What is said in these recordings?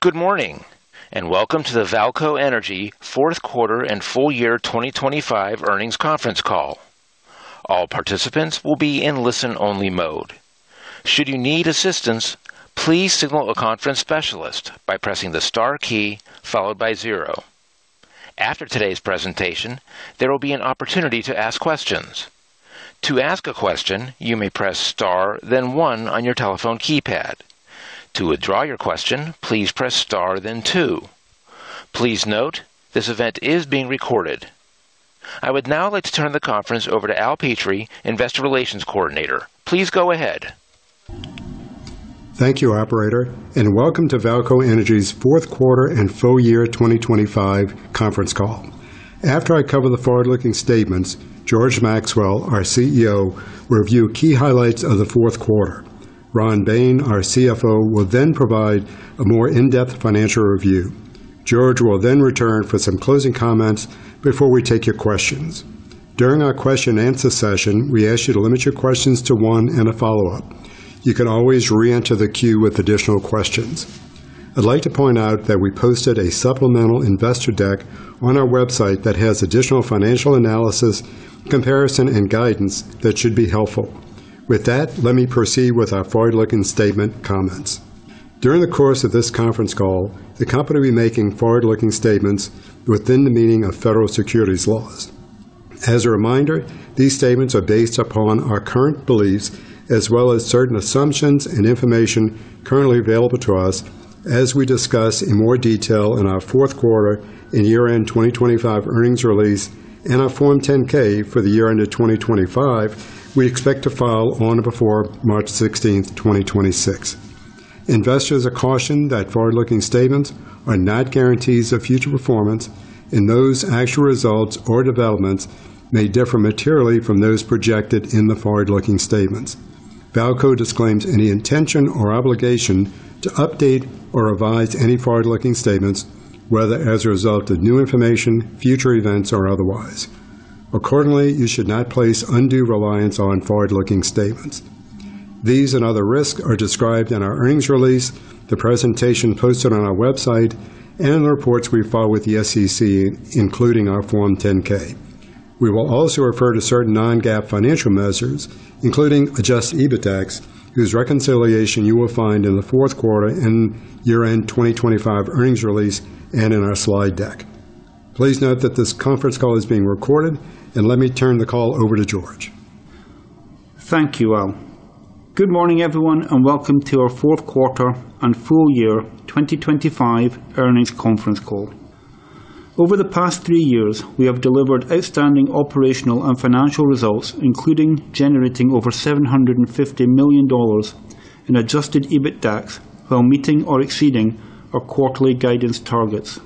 Good morning, and welcome to the VAALCO Energy fourth quarter and full year 2025 earnings conference call. All participants will be in listen-only mode. Should you need assistance, please signal a conference specialist by pressing the star key followed by zero. After today's presentation, there will be an opportunity to ask questions. To ask a question, you may press star, then one on your telephone keypad. To withdraw your question, please press star, then two. Please note, this event is being recorded. I would now like to turn the conference over to Al Petrie, Investor Relations Coordinator. Please go ahead. Thank you, operator, and welcome to VAALCO Energy's fourth quarter and full year 2025 conference call. After I cover the forward-looking statements, George Maxwell, our CEO, will review key highlights of the fourth quarter. Ron Bain, our CFO, will then provide a more in-depth financial review. George will then return for some closing comments before we take your questions. During our question answer session, we ask you to limit your questions to one and a follow-up. You can always re-enter the queue with additional questions. I'd like to point out that we posted a supplemental investor deck on our website that has additional financial analysis, comparison, and guidance that should be helpful. With that, let me proceed with our forward-looking statement comments. During the course of this conference call, the company will be making forward-looking statements within the meaning of Federal Securities laws. As a reminder, these statements are based upon our current beliefs as well as certain assumptions and information currently available to us as we discuss in more detail in our fourth quarter and year-end 2025 earnings release and our Form 10-K for the year-end of 2025. We expect to file on or before March 16th, 2026. Investors are cautioned that forward-looking statements are not guarantees of future performance, and those actual results or developments may differ materially from those projected in the forward-looking statements. VAALCO disclaims any intention or obligation to update or revise any forward-looking statements, whether as a result of new information, future events, or otherwise. Accordingly, you should not place undue reliance on forward-looking statements. These and other risks are described in our earnings release, the presentation posted on our website, and the reports we file with the SEC, including our Form 10-K. We will also refer to certain non-GAAP financial measures, including Adjusted EBITDAX, whose reconciliation you will find in the fourth quarter and year-end 2025 earnings release and in our slide deck. Please note that this conference call is being recorded, and let me turn the call over to George. Thank you, Al. Good morning, everyone, and welcome to our fourth quarter and full year 2025 earnings conference call. Over the past three years, we have delivered outstanding operational and financial results, including generating over $750 million in Adjusted EBITDAX while meeting or exceeding our quarterly guidance targets.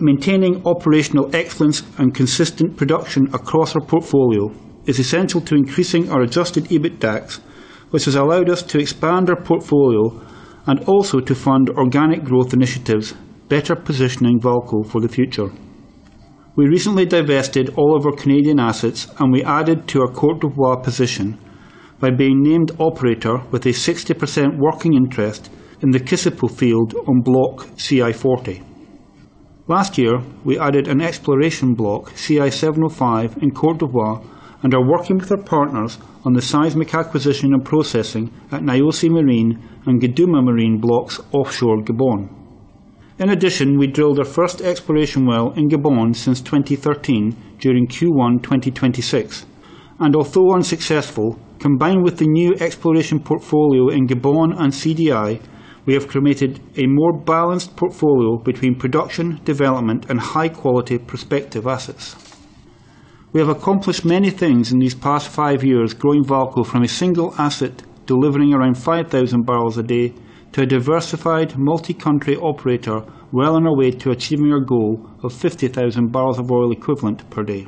Maintaining operational excellence and consistent production across our portfolio is essential to increasing our Adjusted EBITDAX, which has allowed us to expand our portfolio and also to fund organic growth initiatives, better positioning VAALCO for the future. We recently divested all of our Canadian assets, and we added to our Côte d'Ivoire position by being named operator with a 60% working interest in the Kossipo field on Block CI-40. Last year, we added an exploration block, CI-705 in Côte d'Ivoire, and are working with our partners on the seismic acquisition and processing at Niosi Marin and Guduma Marin blocks offshore Gabon. In addition, we drilled our first exploration well in Gabon since 2013 during Q1 2026. Although unsuccessful, combined with the new exploration portfolio in Gabon and CDI, we have created a more balanced portfolio between production, development, and high-quality prospective assets. We have accomplished many things in these past five years, growing VAALCO from a single asset delivering around 5,000 barrels a day to a diversified multi-country operator well on our way to achieving our goal of 50,000 barrels of oil equivalent per day.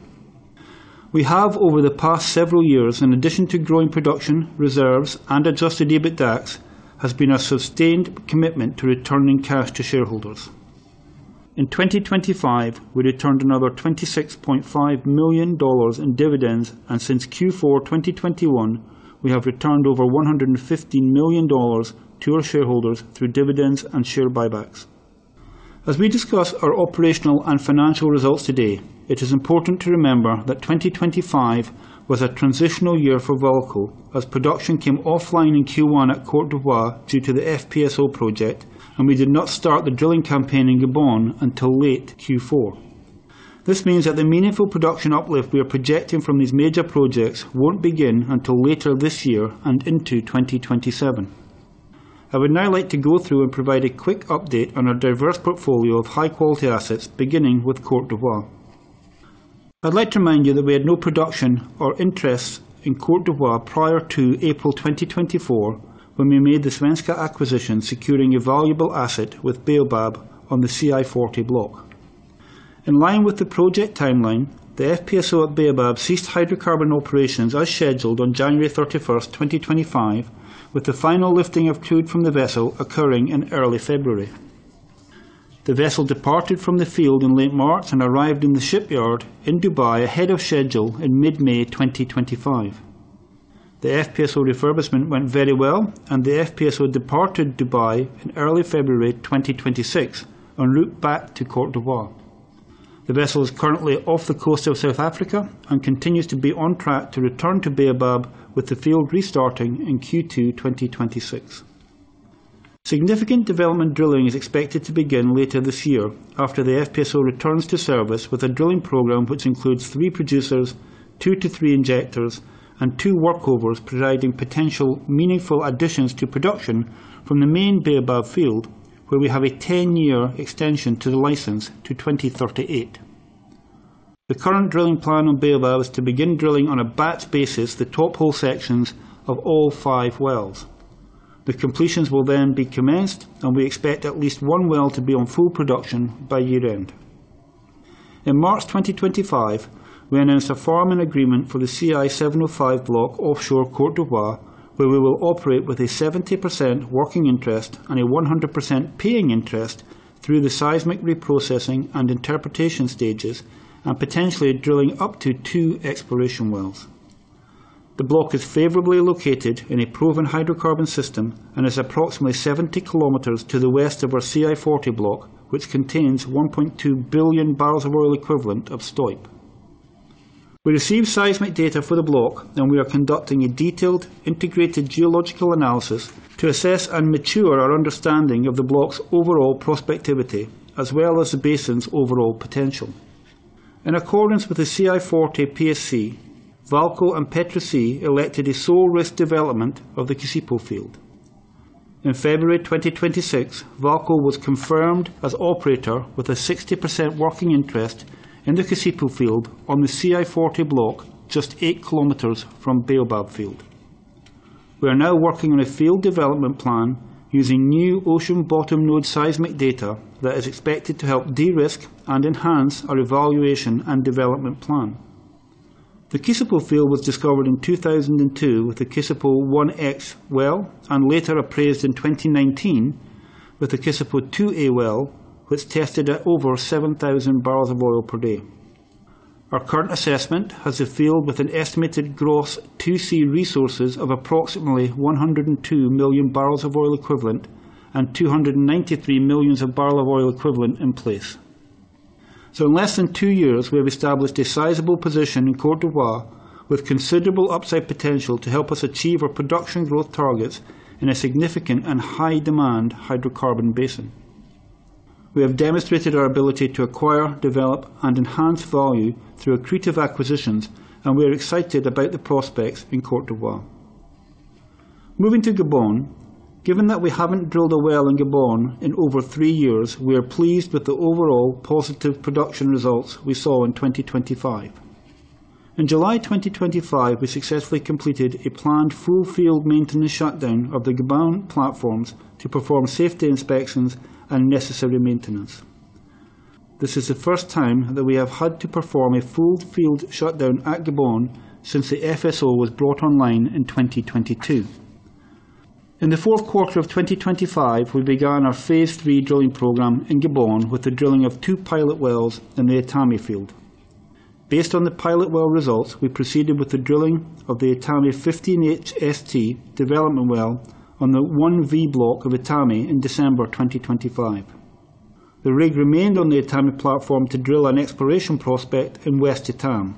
We have over the past several years, in addition to growing production, reserves, and Adjusted EBITDAX, has been a sustained commitment to returning cash to shareholders. In 2025, we returned another $26.5 million in dividends, and since Q4 2021, we have returned over $150 million to our shareholders through dividends and share buybacks. As we discuss our operational and financial results today, it is important to remember that 2025 was a transitional year for VAALCO as production came offline in Q1 at Côte d'Ivoire due to the FPSO project, and we did not start the drilling campaign in Gabon until late Q4. This means that the meaningful production uplift we are projecting from these major projects won't begin until later this year and into 2027. I would now like to go through and provide a quick update on our diverse portfolio of high-quality assets, beginning with Côte d'Ivoire. I'd like to remind you that we had no production or interest in Côte d'Ivoire prior to April 2024, when we made the Svenska acquisition securing a valuable asset with Baobab on the CI-40 block. In line with the project timeline, the FPSO at Baobab ceased hydrocarbon operations as scheduled on January 31st, 2025, with the final lifting of crude from the vessel occurring in early February. The vessel departed from the field in late March and arrived in the shipyard in Dubai ahead of schedule in mid-May 2025. The FPSO refurbishment went very well, and the FPSO departed Dubai in early February 2026 en route back to Côte d'Ivoire. The vessel is currently off the coast of South Africa and continues to be on track to return to Baobab, with the field restarting in Q2 2026. Significant development drilling is expected to begin later this year after the FPSO returns to service with a drilling program which includes three producers, 2-3 injectors, and two workovers, providing potential meaningful additions to production from the main Baobab field, where we have a 10-year extension to the license to 2038. The current drilling plan on Baobab is to begin drilling on a batch basis the top hole sections of all five wells. The completions will then be commenced, and we expect at least one well to be on full production by year-end. In March 2025, we announced a farming agreement for the CI-705 block offshore Côte d'Ivoire, where we will operate with a 70% working interest and a 100% paying interest through the seismic reprocessing and interpretation stages and potentially drilling up to two exploration wells. The block is favorably located in a proven hydrocarbon system and is approximately 70 km to the west of our CI-40 block, which contains 1.2 billion barrels of oil equivalent of STOIP. We received seismic data for the block, and we are conducting a detailed integrated geological analysis to assess and mature our understanding of the block's overall prospectivity as well as the basin's overall potential. In accordance with the CI-40 PSC, VAALCO and Petroci elected a sole risk development of the Kossipo field. In February 2026, VAALCO was confirmed as operator with a 60% working interest in the Kossipo field on the CI-40 block, just 8 kilometers from Baobab field. We are now working on a field development plan using new ocean bottom node seismic data that is expected to help de-risk and enhance our evaluation and development plan. The Kossipo field was discovered in 2002 with the Kossipo-1X well and later appraised in 2019 with the Kossipo-2A well, which tested at over 7,000 barrels of oil per day. Our current assessment has a field with an estimated gross 2C resources of approximately 102 million barrels of oil equivalent and 293 million barrels of oil equivalent in place. In less than two years, we have established a sizable position in Côte d'Ivoire with considerable upside potential to help us achieve our production growth targets in a significant and high demand hydrocarbon basin. We have demonstrated our ability to acquire, develop, and enhance value through accretive acquisitions, and we are excited about the prospects in Côte d'Ivoire. Moving to Gabon, given that we haven't drilled a well in Gabon in over three years, we are pleased with the overall positive production results we saw in 2025. In July 2025, we successfully completed a planned full field maintenance shutdown of the Gabon platforms to perform safety inspections and necessary maintenance. This is the first time that we have had to perform a full field shutdown at Gabon since the FSO was brought online in 2022. In the fourth quarter of 2025, we began our phase III drilling program in Gabon with the drilling of two pilot wells in the Etame field. Based on the pilot well results, we proceeded with the drilling of the Etame 15H-ST development well on the 1V block of Etame in December 2025. The rig remained on the Etame platform to drill an exploration prospect in West Etame.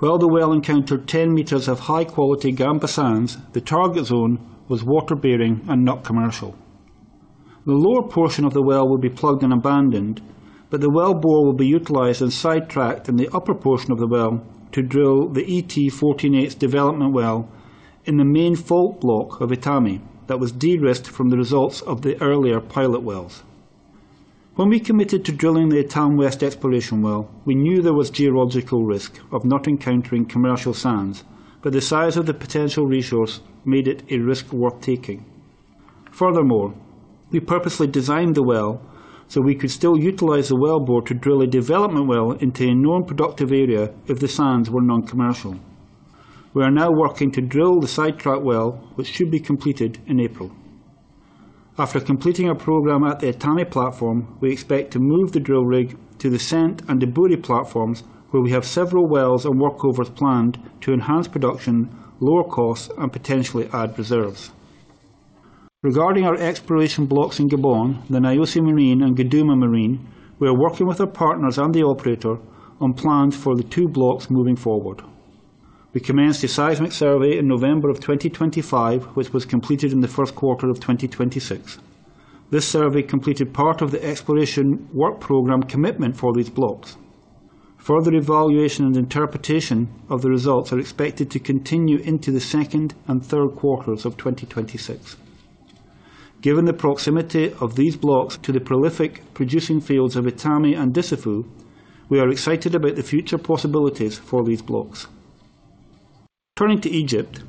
While the well encountered 10 meters of high-quality Gamba sands, the target zone was water-bearing and not commercial. The lower portion of the well will be plugged and abandoned, but the wellbore will be utilized and sidetracked in the upper portion of the well to drill the ET-14H development well in the main fault block of Etame that was de-risked from the results of the earlier pilot wells. When we committed to drilling the Etame West exploration well, we knew there was geological risk of not encountering commercial sands, but the size of the potential resource made it a risk worth taking. Furthermore, we purposely designed the well so we could still utilize the wellbore to drill a development well into a non-productive area if the sands were non-commercial. We are now working to drill the sidetracked well, which should be completed in April. After completing our program at the Etame platform, we expect to move the drill rig to the SEENT and Ebouri platforms, where we have several wells and workovers planned to enhance production, lower costs, and potentially add reserves. Regarding our exploration blocks in Gabon, the Niosi Marin and Guduma Marin, we are working with our partners and the operator on plans for the two blocks moving forward. We commenced a seismic survey in November 2025, which was completed in the first quarter of 2026. This survey completed part of the exploration work program commitment for these blocks. Further evaluation and interpretation of the results are expected to continue into the second and third quarters of 2026. Given the proximity of these blocks to the prolific producing fields of Etame and Dussafu, we are excited about the future possibilities for these blocks. Turning to Egypt,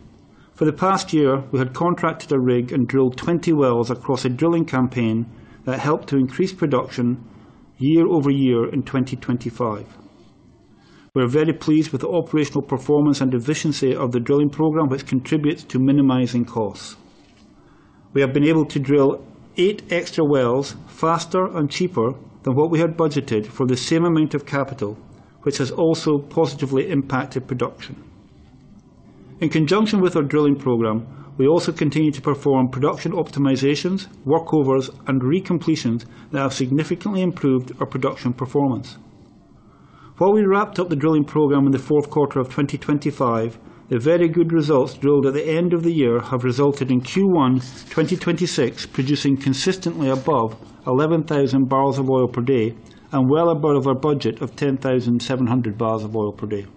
for the past year, we had contracted a rig and drilled 20 wells across a drilling campaign that helped to increase production year-over-year in 2025. We're very pleased with the operational performance and efficiency of the drilling program, which contributes to minimizing costs. We have been able to drill 8 extra wells faster and cheaper than what we had budgeted for the same amount of capital, which has also positively impacted production. In conjunction with our drilling program, we also continue to perform production optimizations, workovers, and recompletions that have significantly improved our production performance. While we wrapped up the drilling program in the fourth quarter of 2025, the very good results drilled at the end of the year have resulted in Q1 2026 producing consistently above 11,000 barrels of oil per day and well above our budget of 10,700 barrels of oil per day.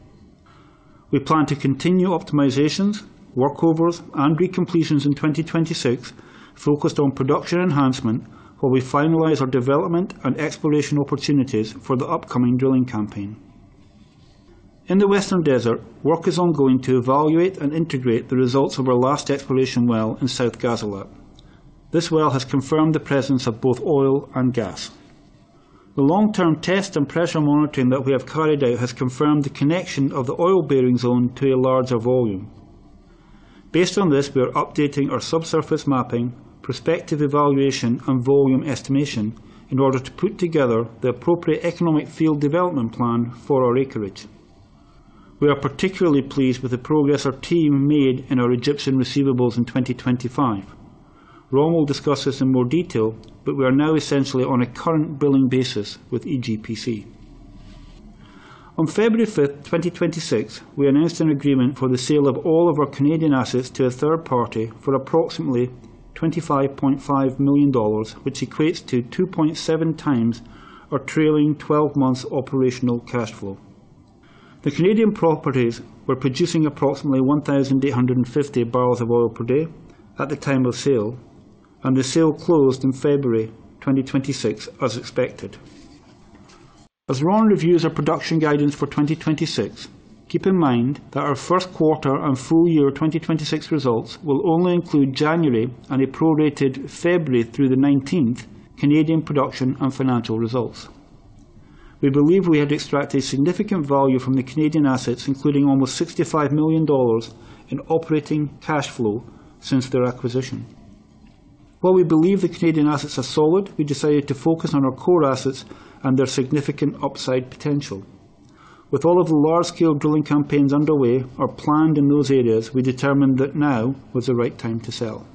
We plan to continue optimizations, workovers, and recompletions in 2026 focused on production enhancement while we finalize our development and exploration opportunities for the upcoming drilling campaign. In the Western Desert, work is ongoing to evaluate and integrate the results of our last exploration well in South Ghazalat. This well has confirmed the presence of both oil and gas. The long-term test and pressure monitoring that we have carried out has confirmed the connection of the oil-bearing zone to a larger volume. Based on this, we are updating our subsurface mapping, prospective evaluation, and volume estimation in order to put together the appropriate economic field development plan for our acreage. We are particularly pleased with the progress our team made in our Egyptian receivables in 2025. Ron will discuss this in more detail, but we are now essentially on a current billing basis with EGPC. On February 5th, 2026, we announced an agreement for the sale of all of our Canadian assets to a third party for approximately $25.5 million, which equates to 2.7x our trailing twelve months operational cash flow. The Canadian properties were producing approximately 1,850 barrels of oil per day at the time of sale, and the sale closed in February 2026 as expected. As Ron reviews our production guidance for 2026, keep in mind that our first quarter and full year 2026 results will only include January and a prorated February through the 19th Canadian production and financial results. We believe we had extracted significant value from the Canadian assets, including almost $65 million in operating cash flow since their acquisition. While we believe the Canadian assets are solid, we decided to focus on our core assets and their significant upside potential. With all of the large-scale drilling campaigns underway or planned in those areas, we determined that now was the right time to sell.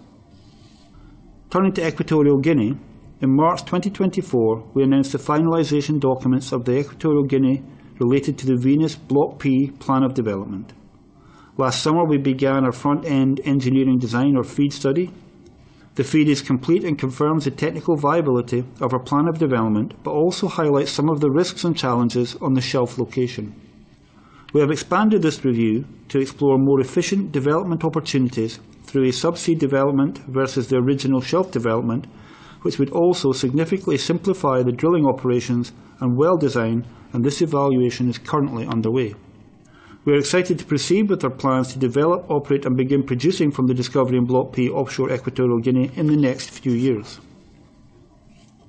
Turning to Equatorial Guinea, in March 2024, we announced the finalization documents of the Equatorial Guinea related to the Venus-Block P plan of development. Last summer, we began our front-end engineering design or FEED study. The FEED is complete and confirms the technical viability of our plan of development, but also highlights some of the risks and challenges on the shelf location. We have expanded this review to explore more efficient development opportunities through a subsea development versus the original shelf development, which would also significantly simplify the drilling operations and well design, and this evaluation is currently underway. We are excited to proceed with our plans to develop, operate, and begin producing from the discovery in Block P offshore Equatorial Guinea in the next few years.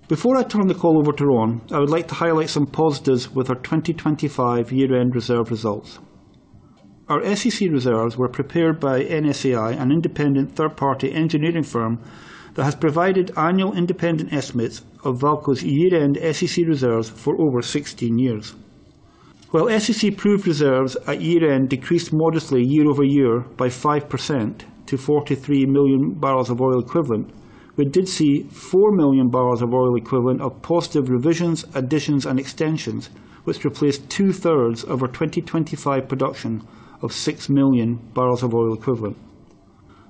Before I turn the call over to Ron Bain, I would like to highlight some positives with our 2025 year-end reserve results. Our SEC reserves were prepared by NSAI, an independent third-party engineering firm that has provided annual independent estimates of VAALCO's year-end SEC reserves for over 16 years. While SEC proved reserves at year-end decreased modestly year-over-year by 5% to 43 million barrels of oil equivalent, we did see 4 million barrels of oil equivalent of positive revisions, additions, and extensions, which replaced two-thirds of our 2025 production of 6 million barrels of oil equivalent.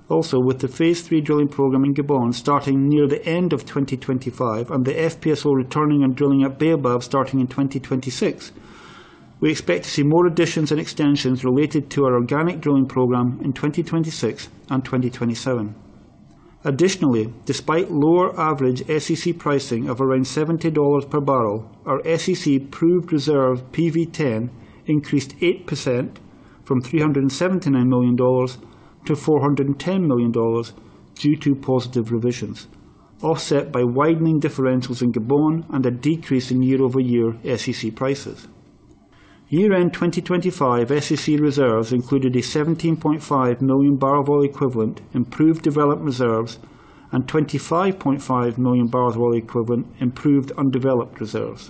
Also, with the phase three drilling program in Gabon starting near the end of 2025 and the FPSO returning and drilling at Baobab starting in 2026, we expect to see more additions and extensions related to our organic drilling program in 2026 and 2027. Additionally, despite lower average SEC pricing of around $70 per barrel, our SEC proved reserve PV-10 increased 8% from $379 million-$410 million due to positive revisions, offset by widening differentials in Gabon and a decrease in year-over-year SEC prices. Year-end 2025 SEC reserves included a 17.5 million barrels of oil equivalent proved developed reserves and 25.5 million barrels of oil equivalent proved undeveloped reserves.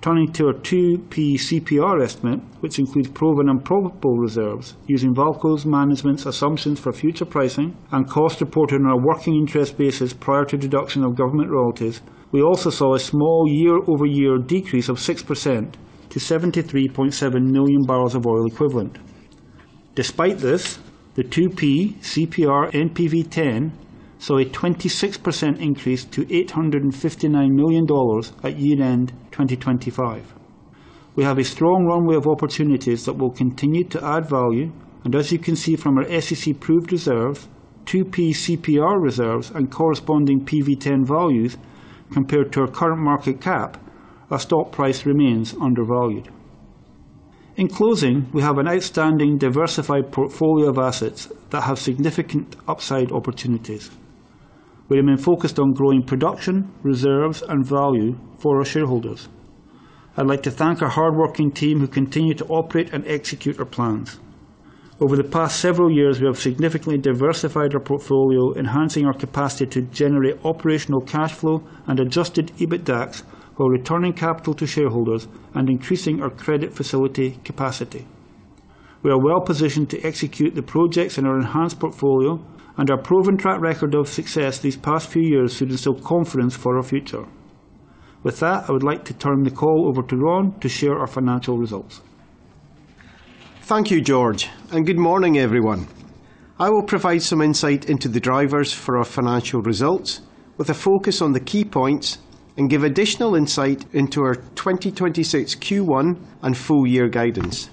Turning to our 2P CPR estimate, which includes proven and probable reserves using VAALCO's management's assumptions for future pricing and cost reported on a working interest basis prior to deduction of government royalties, we also saw a small year-over-year decrease of 6% to 73.7 million barrels of oil equivalent. Despite this, the 2P CPR NPV10 saw a 26% increase to $859 million at year-end 2025. We have a strong runway of opportunities that will continue to add value, and as you can see from our SEC proved reserves, 2P CPR reserves, and corresponding PV-10 values compared to our current market cap, our stock price remains undervalued. In closing, we have an outstanding diversified portfolio of assets that have significant upside opportunities. We remain focused on growing production, reserves, and value for our shareholders. I'd like to thank our hardworking team who continue to operate and execute our plans. Over the past several years, we have significantly diversified our portfolio, enhancing our capacity to generate operational cash flow and Adjusted EBITDAX, while returning capital to shareholders and increasing our credit facility capacity. We are well-positioned to execute the projects in our enhanced portfolio and our proven track record of success these past few years to instill confidence for our future. With that, I would like to turn the call over to Ron to share our financial results. Thank you, George, and good morning, everyone. I will provide some insight into the drivers for our financial results with a focus on the key points and give additional insight into our 2026 Q1 and full year guidance.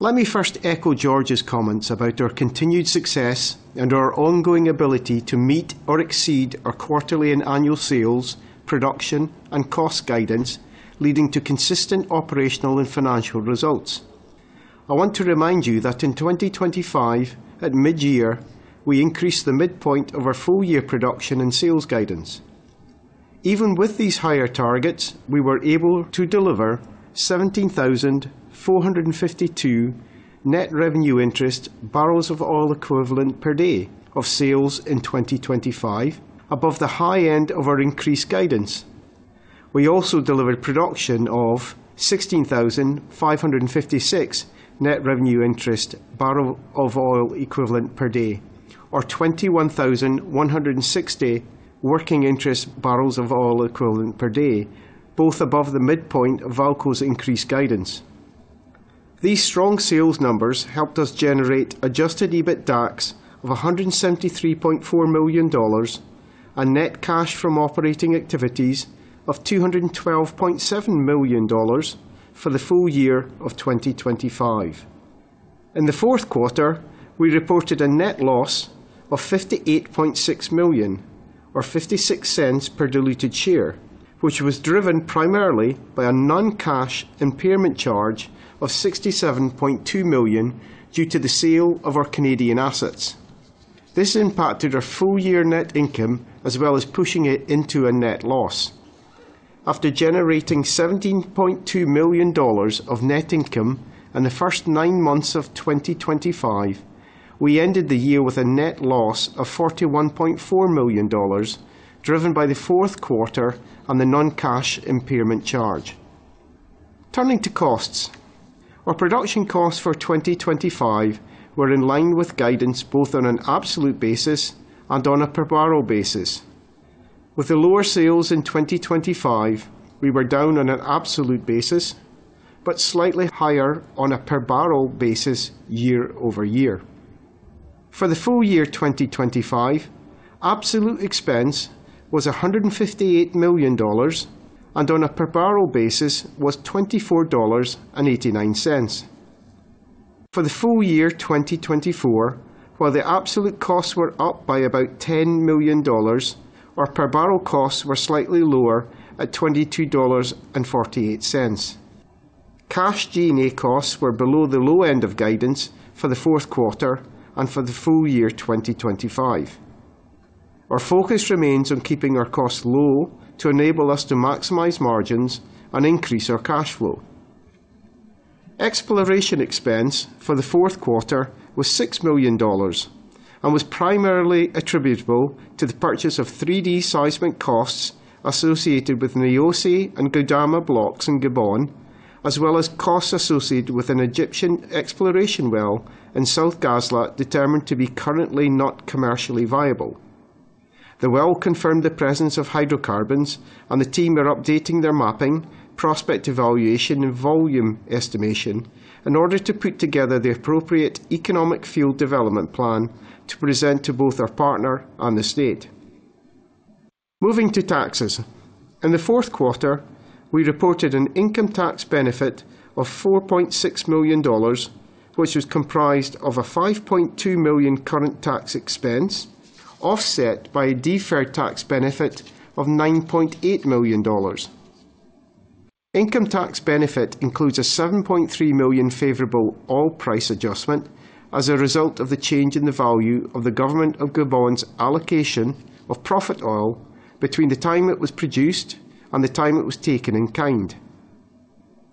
Let me first echo George's comments about our continued success and our ongoing ability to meet or exceed our quarterly and annual sales, production, and cost guidance, leading to consistent operational and financial results. I want to remind you that in 2025, at mid-year, we increased the midpoint of our full-year production and sales guidance. Even with these higher targets, we were able to deliver 17,452 net revenue interest barrels of oil equivalent per day of sales in 2025 above the high end of our increased guidance. We delivered production of 16,556 net revenue interest barrels of oil equivalent per day, or 21,160 working interest barrels of oil equivalent per day, both above the midpoint of VAALCO's increased guidance. These strong sales numbers helped us generate Adjusted EBITDAX of $173.4 million and net cash from operating activities of $212.7 million for the full year of 2025. In the fourth quarter, we reported a net loss of $58.6 million or 56 cents per diluted share, which was driven primarily by a non-cash impairment charge of $67.2 million due to the sale of our Canadian assets. This impacted our full-year net income as well as pushing it into a net loss. After generating $17.2 million of net income in the first nine months of 2025, we ended the year with a net loss of $41.4 million, driven by the fourth quarter on the non-cash impairment charge. Turning to costs. Our production costs for 2025 were in line with guidance, both on an absolute basis and on a per-barrel basis. With the lower sales in 2025, we were down on an absolute basis, but slightly higher on a per-barrel basis year-over-year. For the full year 2025, absolute expense was $158 million, and on a per-barrel basis was $24.89. For the full year 2025, while the absolute costs were up by about $10 million, our per-barrel costs were slightly lower at $22.48. Cash G&A costs were below the low end of guidance for the fourth quarter and for the full year 2025. Our focus remains on keeping our costs low to enable us to maximize margins and increase our cash flow. Exploration expense for the fourth quarter was $6 million and was primarily attributable to the purchase of 3D seismic costs associated with the Niosi and Guduma blocks in Gabon, as well as costs associated with an Egyptian exploration well in South Ghazalat, determined to be currently not commercially viable. The well confirmed the presence of hydrocarbons, and the team are updating their mapping, prospect evaluation, and volume estimation in order to put together the appropriate economic field development plan to present to both our partner and the state. Moving to taxes. In the fourth quarter, we reported an income tax benefit of $4.6 million, which was comprised of a $5.2 million current tax expense, offset by a deferred tax benefit of $9.8 million. Income tax benefit includes a $7.3 million favorable oil price adjustment as a result of the change in the value of the government of Gabon's allocation of profit oil between the time it was produced and the time it was taken in kind.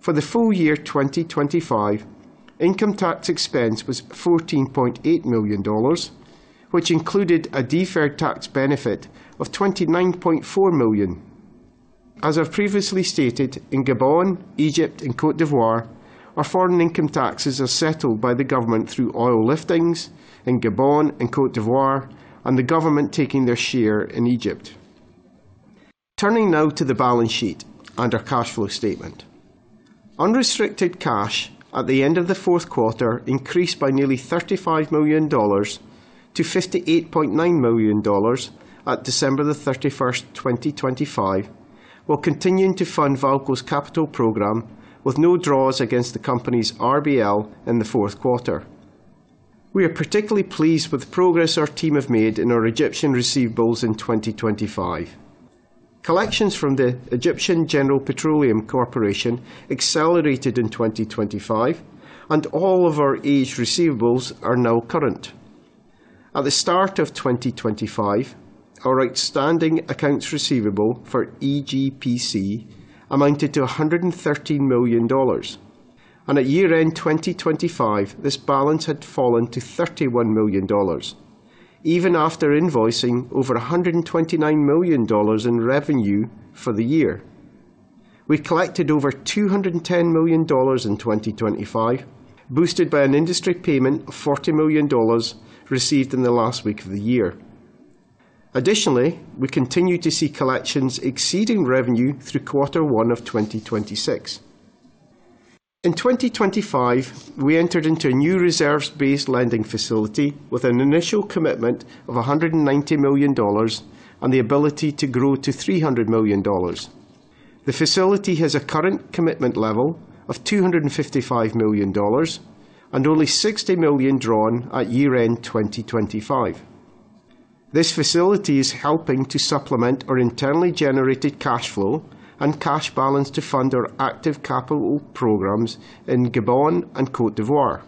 For the full year 2025, income tax expense was $14.8 million, which included a deferred tax benefit of $29.4 million. As I've previously stated, in Gabon, Egypt, and Côte d'Ivoire, our foreign income taxes are settled by the government through oil liftings in Gabon and Côte d'Ivoire and the government taking their share in Egypt. Turning now to the balance sheet and our cash flow statement. Unrestricted cash at the end of the fourth quarter increased by nearly $35 million-$58.9 million at December 31st, 2025, while continuing to fund VAALCO's capital program with no draws against the company's RBL in the fourth quarter. We are particularly pleased with the progress our team have made in our Egyptian receivables in 2025. Collections from the Egyptian General Petroleum Corporation accelerated in 2025, and all of our aged receivables are now current. At the start of 2025, our outstanding accounts receivable for EGPC amounted to $113 million. At year-end 2025, this balance had fallen to $31 million even after invoicing over $129 million in revenue for the year. We collected over $210 million in 2025, boosted by an industry payment of $40 million received in the last week of the year. Additionally, we continue to see collections exceeding revenue through quarter one of 2026. In 2025, we entered into a new reserves-based lending facility with an initial commitment of $190 million and the ability to grow to $300 million. The facility has a current commitment level of $255 million and only $60 million drawn at year-end 2025. This facility is helping to supplement our internally generated cash flow and cash balance to fund our active capital programs in Gabon and Côte d'Ivoire.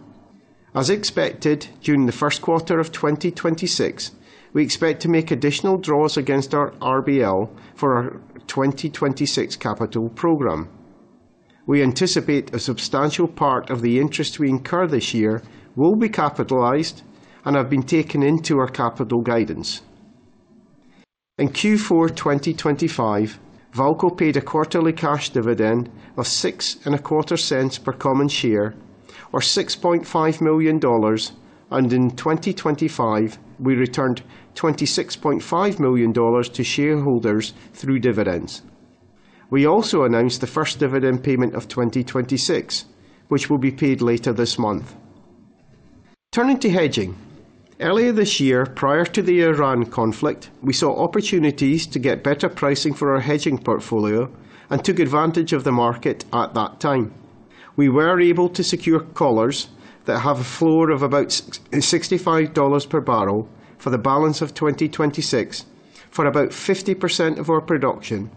As expected, during the first quarter of 2026, we expect to make additional draws against our RBL for our 2026 capital program. We anticipate a substantial part of the interest we incur this year will be capitalized and have been taken into our capital guidance. In Q4 2025, VAALCO paid a quarterly cash dividend of $6.25 per common share or $6.5 million. In 2025, we returned $26.5 million to shareholders through dividends. We also announced the first dividend payment of 2026, which will be paid later this month. Turning to hedging. Earlier this year, prior to the Iran conflict, we saw opportunities to get better pricing for our hedging portfolio and took advantage of the market at that time. We were able to secure collars that have a floor of about $65 per barrel for the balance of 2026 for about 50% of our production,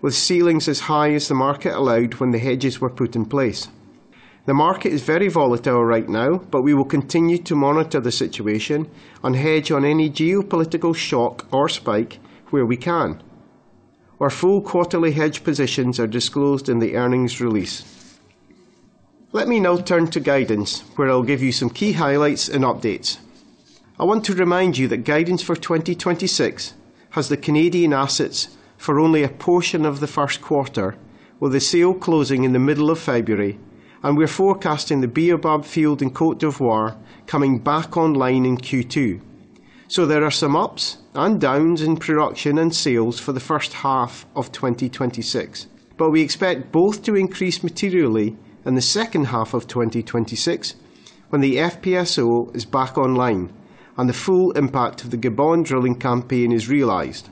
with ceilings as high as the market allowed when the hedges were put in place. The market is very volatile right now, but we will continue to monitor the situation and hedge on any geopolitical shock or spike where we can. Our full quarterly hedge positions are disclosed in the earnings release. Let me now turn to guidance, where I'll give you some key highlights and updates. I want to remind you that guidance for 2026 has the Canadian assets for only a portion of the first quarter, with the sale closing in the middle of February, and we're forecasting the Baobab field in Côte d'Ivoire coming back online in Q2. There are some ups and downs in production and sales for the first half of 2026, but we expect both to increase materially in the second half of 2026 when the FPSO is back online and the full impact of the Gabon drilling campaign is realized.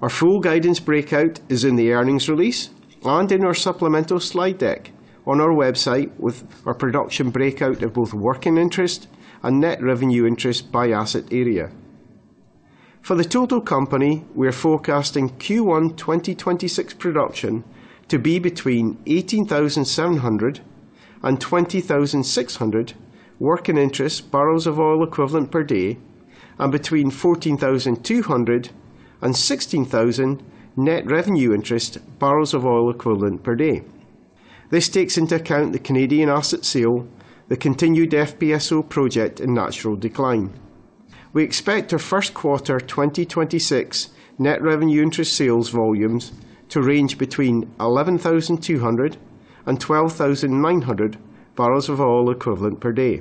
Our full guidance breakout is in the earnings release and in our supplemental slide deck on our website with our production breakout of both working interest and net revenue interest by asset area. For the total company, we are forecasting Q1 2026 production to be between 18,700 and 20,600 working interest barrels of oil equivalent per day and between 14,200 and 16,000 net revenue interest barrels of oil equivalent per day. This takes into account the Canadian asset sale, the continued FPSO project, and natural decline. We expect our first quarter 2026 net revenue interest sales volumes to range between 11,200 and 12,900 barrels of oil equivalent per day.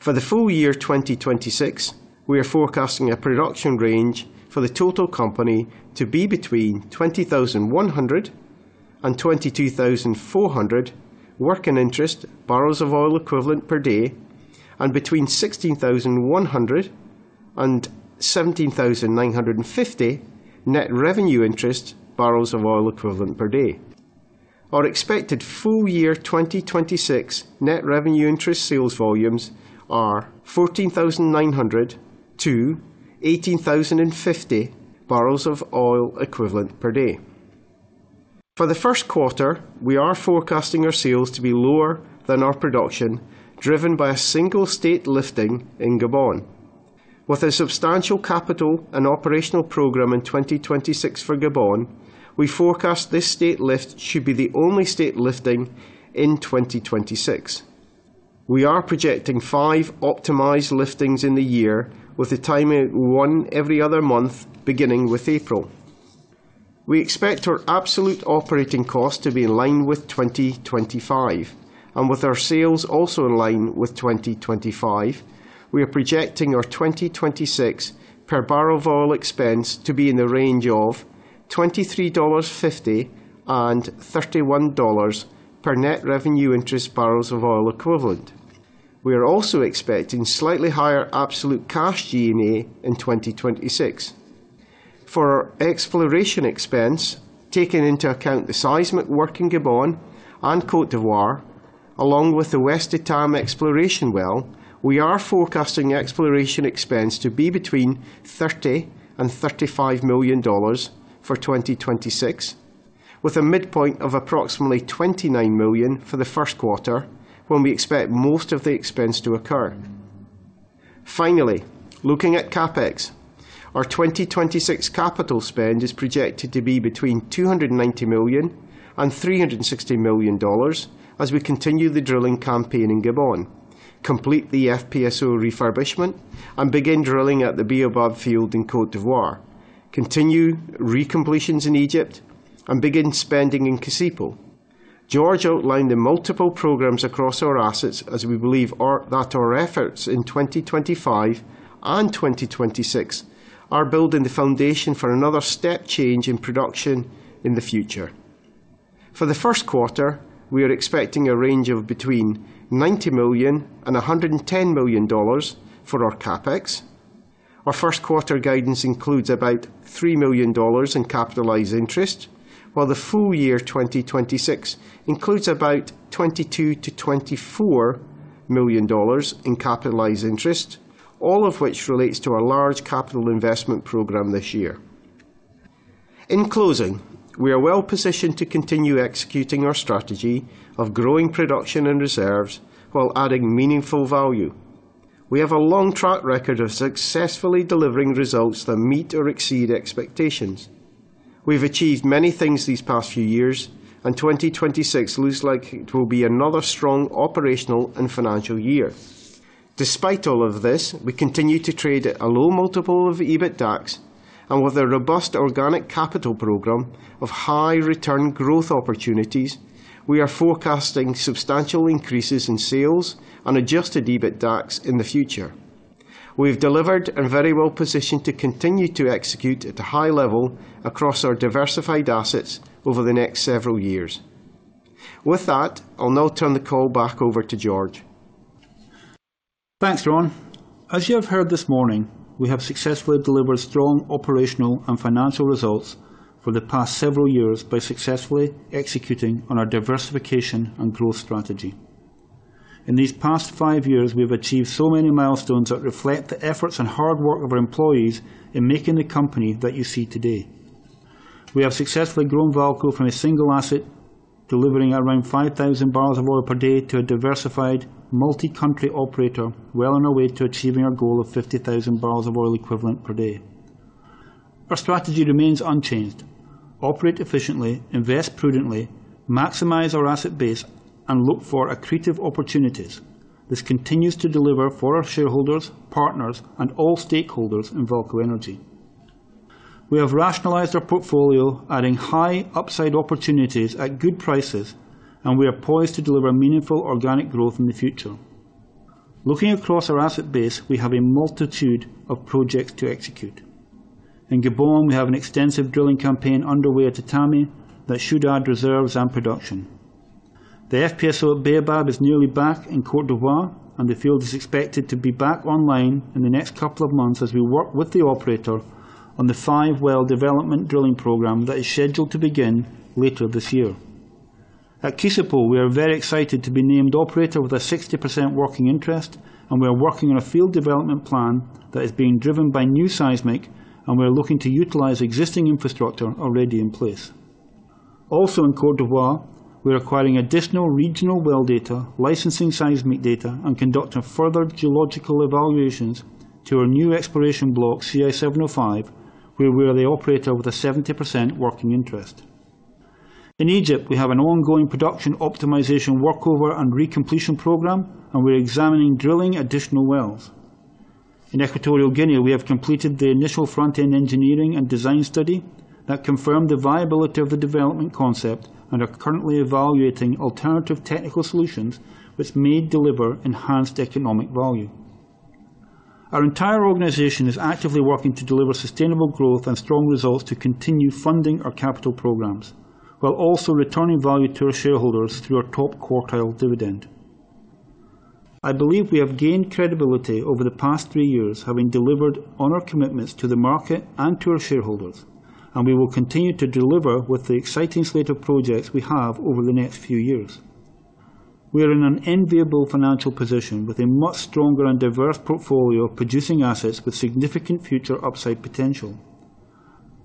For the full year 2026, we are forecasting a production range for the total company to be between 20,100 and 22,400 working interest barrels of oil equivalent per day and between 16,100 and 17,950 net revenue interest barrels of oil equivalent per day. Our expected full year 2026 net revenue interest sales volumes are 14,900-18,050 barrels of oil equivalent per day. For the first quarter, we are forecasting our sales to be lower than our production, driven by a single lifting in Gabon. With a substantial capital and operational program in 2026 for Gabon, we forecast this state lift should be the only state lifting in 2026. We are projecting 5 optimized liftings in the year with the timing one every other month, beginning with April. We expect our absolute operating cost to be in line with 2025. With our sales also in line with 2025, we are projecting our 2026 per barrel of oil expense to be in the range of $23.50-$31 per net revenue interest barrels of oil equivalent. We are also expecting slightly higher absolute cash G&A in 2026. For our exploration expense, taking into account the seismic work in Gabon and Côte d'Ivoire, along with the West Etame exploration well, we are forecasting exploration expense to be between $30 million-$35 million for 2026. With a midpoint of approximately $29 million for the first quarter when we expect most of the expense to occur. Finally, looking at CapEx. Our 2026 capital spend is projected to be between $290 million and $360 million as we continue the drilling campaign in Gabon, complete the FPSO refurbishment, and begin drilling at the Baobab field in Côte d'Ivoire, continue recompletions in Egypt, and begin spending in Kossipo. George outlined the multiple programs across our assets as we believe that our efforts in 2025 and 2026 are building the foundation for another step change in production in the future. For the first quarter, we are expecting a range of between $90 million and $110 million for our CapEx. Our first quarter guidance includes about $3 million in capitalized interest, while the full year 2026 includes about $22 million-$24 million in capitalized interest, all of which relates to our large capital investment program this year. In closing, we are well-positioned to continue executing our strategy of growing production and reserves while adding meaningful value. We have a long track record of successfully delivering results that meet or exceed expectations. We've achieved many things these past few years, and 2026 looks like it will be another strong operational and financial year. Despite all of this, we continue to trade at a low multiple of EBITDAX, and with a robust organic capital program of high return growth opportunities, we are forecasting substantial increases in sales and Adjusted EBITDAX in the future. We've delivered and very well positioned to continue to execute at a high level across our diversified assets over the next several years. With that, I'll now turn the call back over to George. Thanks, Ron. As you have heard this morning, we have successfully delivered strong operational and financial results for the past several years by successfully executing on our diversification and growth strategy. In these past five years, we have achieved so many milestones that reflect the efforts and hard work of our employees in making the company that you see today. We have successfully grown VAALCO from a single asset, delivering around 5,000 barrels of oil per day to a diversified multi-country operator well on our way to achieving our goal of 50,000 barrels of oil equivalent per day. Our strategy remains unchanged. Operate efficiently, invest prudently, maximize our asset base, and look for accretive opportunities. This continues to deliver for our shareholders, partners, and all stakeholders in VAALCO Energy. We have rationalized our portfolio, adding high upside opportunities at good prices, and we are poised to deliver meaningful organic growth in the future. Looking across our asset base, we have a multitude of projects to execute. In Gabon, we have an extensive drilling campaign underway at Etame that should add reserves and production. The FPSO at Baobab is nearly back in Côte d'Ivoire, and the field is expected to be back online in the next couple of months as we work with the operator on the 5-well development drilling program that is scheduled to begin later this year. At Kossipo, we are very excited to be named operator with a 60% working interest, and we are working on a field development plan that is being driven by new seismic, and we're looking to utilize existing infrastructure already in place. Also in Côte d'Ivoire, we're acquiring additional regional well data, licensing seismic data, and conducting further geological evaluations to our new exploration block, CI-705, where we are the operator with a 70% working interest. In Egypt, we have an ongoing production optimization workover and recompletion program, and we're examining drilling additional wells. In Equatorial Guinea, we have completed the initial front-end engineering and design study that confirmed the viability of the development concept and are currently evaluating alternative technical solutions which may deliver enhanced economic value. Our entire organization is actively working to deliver sustainable growth and strong results to continue funding our capital programs while also returning value to our shareholders through our top-quartile dividend. I believe we have gained credibility over the past three years, having delivered on our commitments to the market and to our shareholders, and we will continue to deliver with the exciting slate of projects we have over the next few years. We are in an enviable financial position with a much stronger and diverse portfolio of producing assets with significant future upside potential.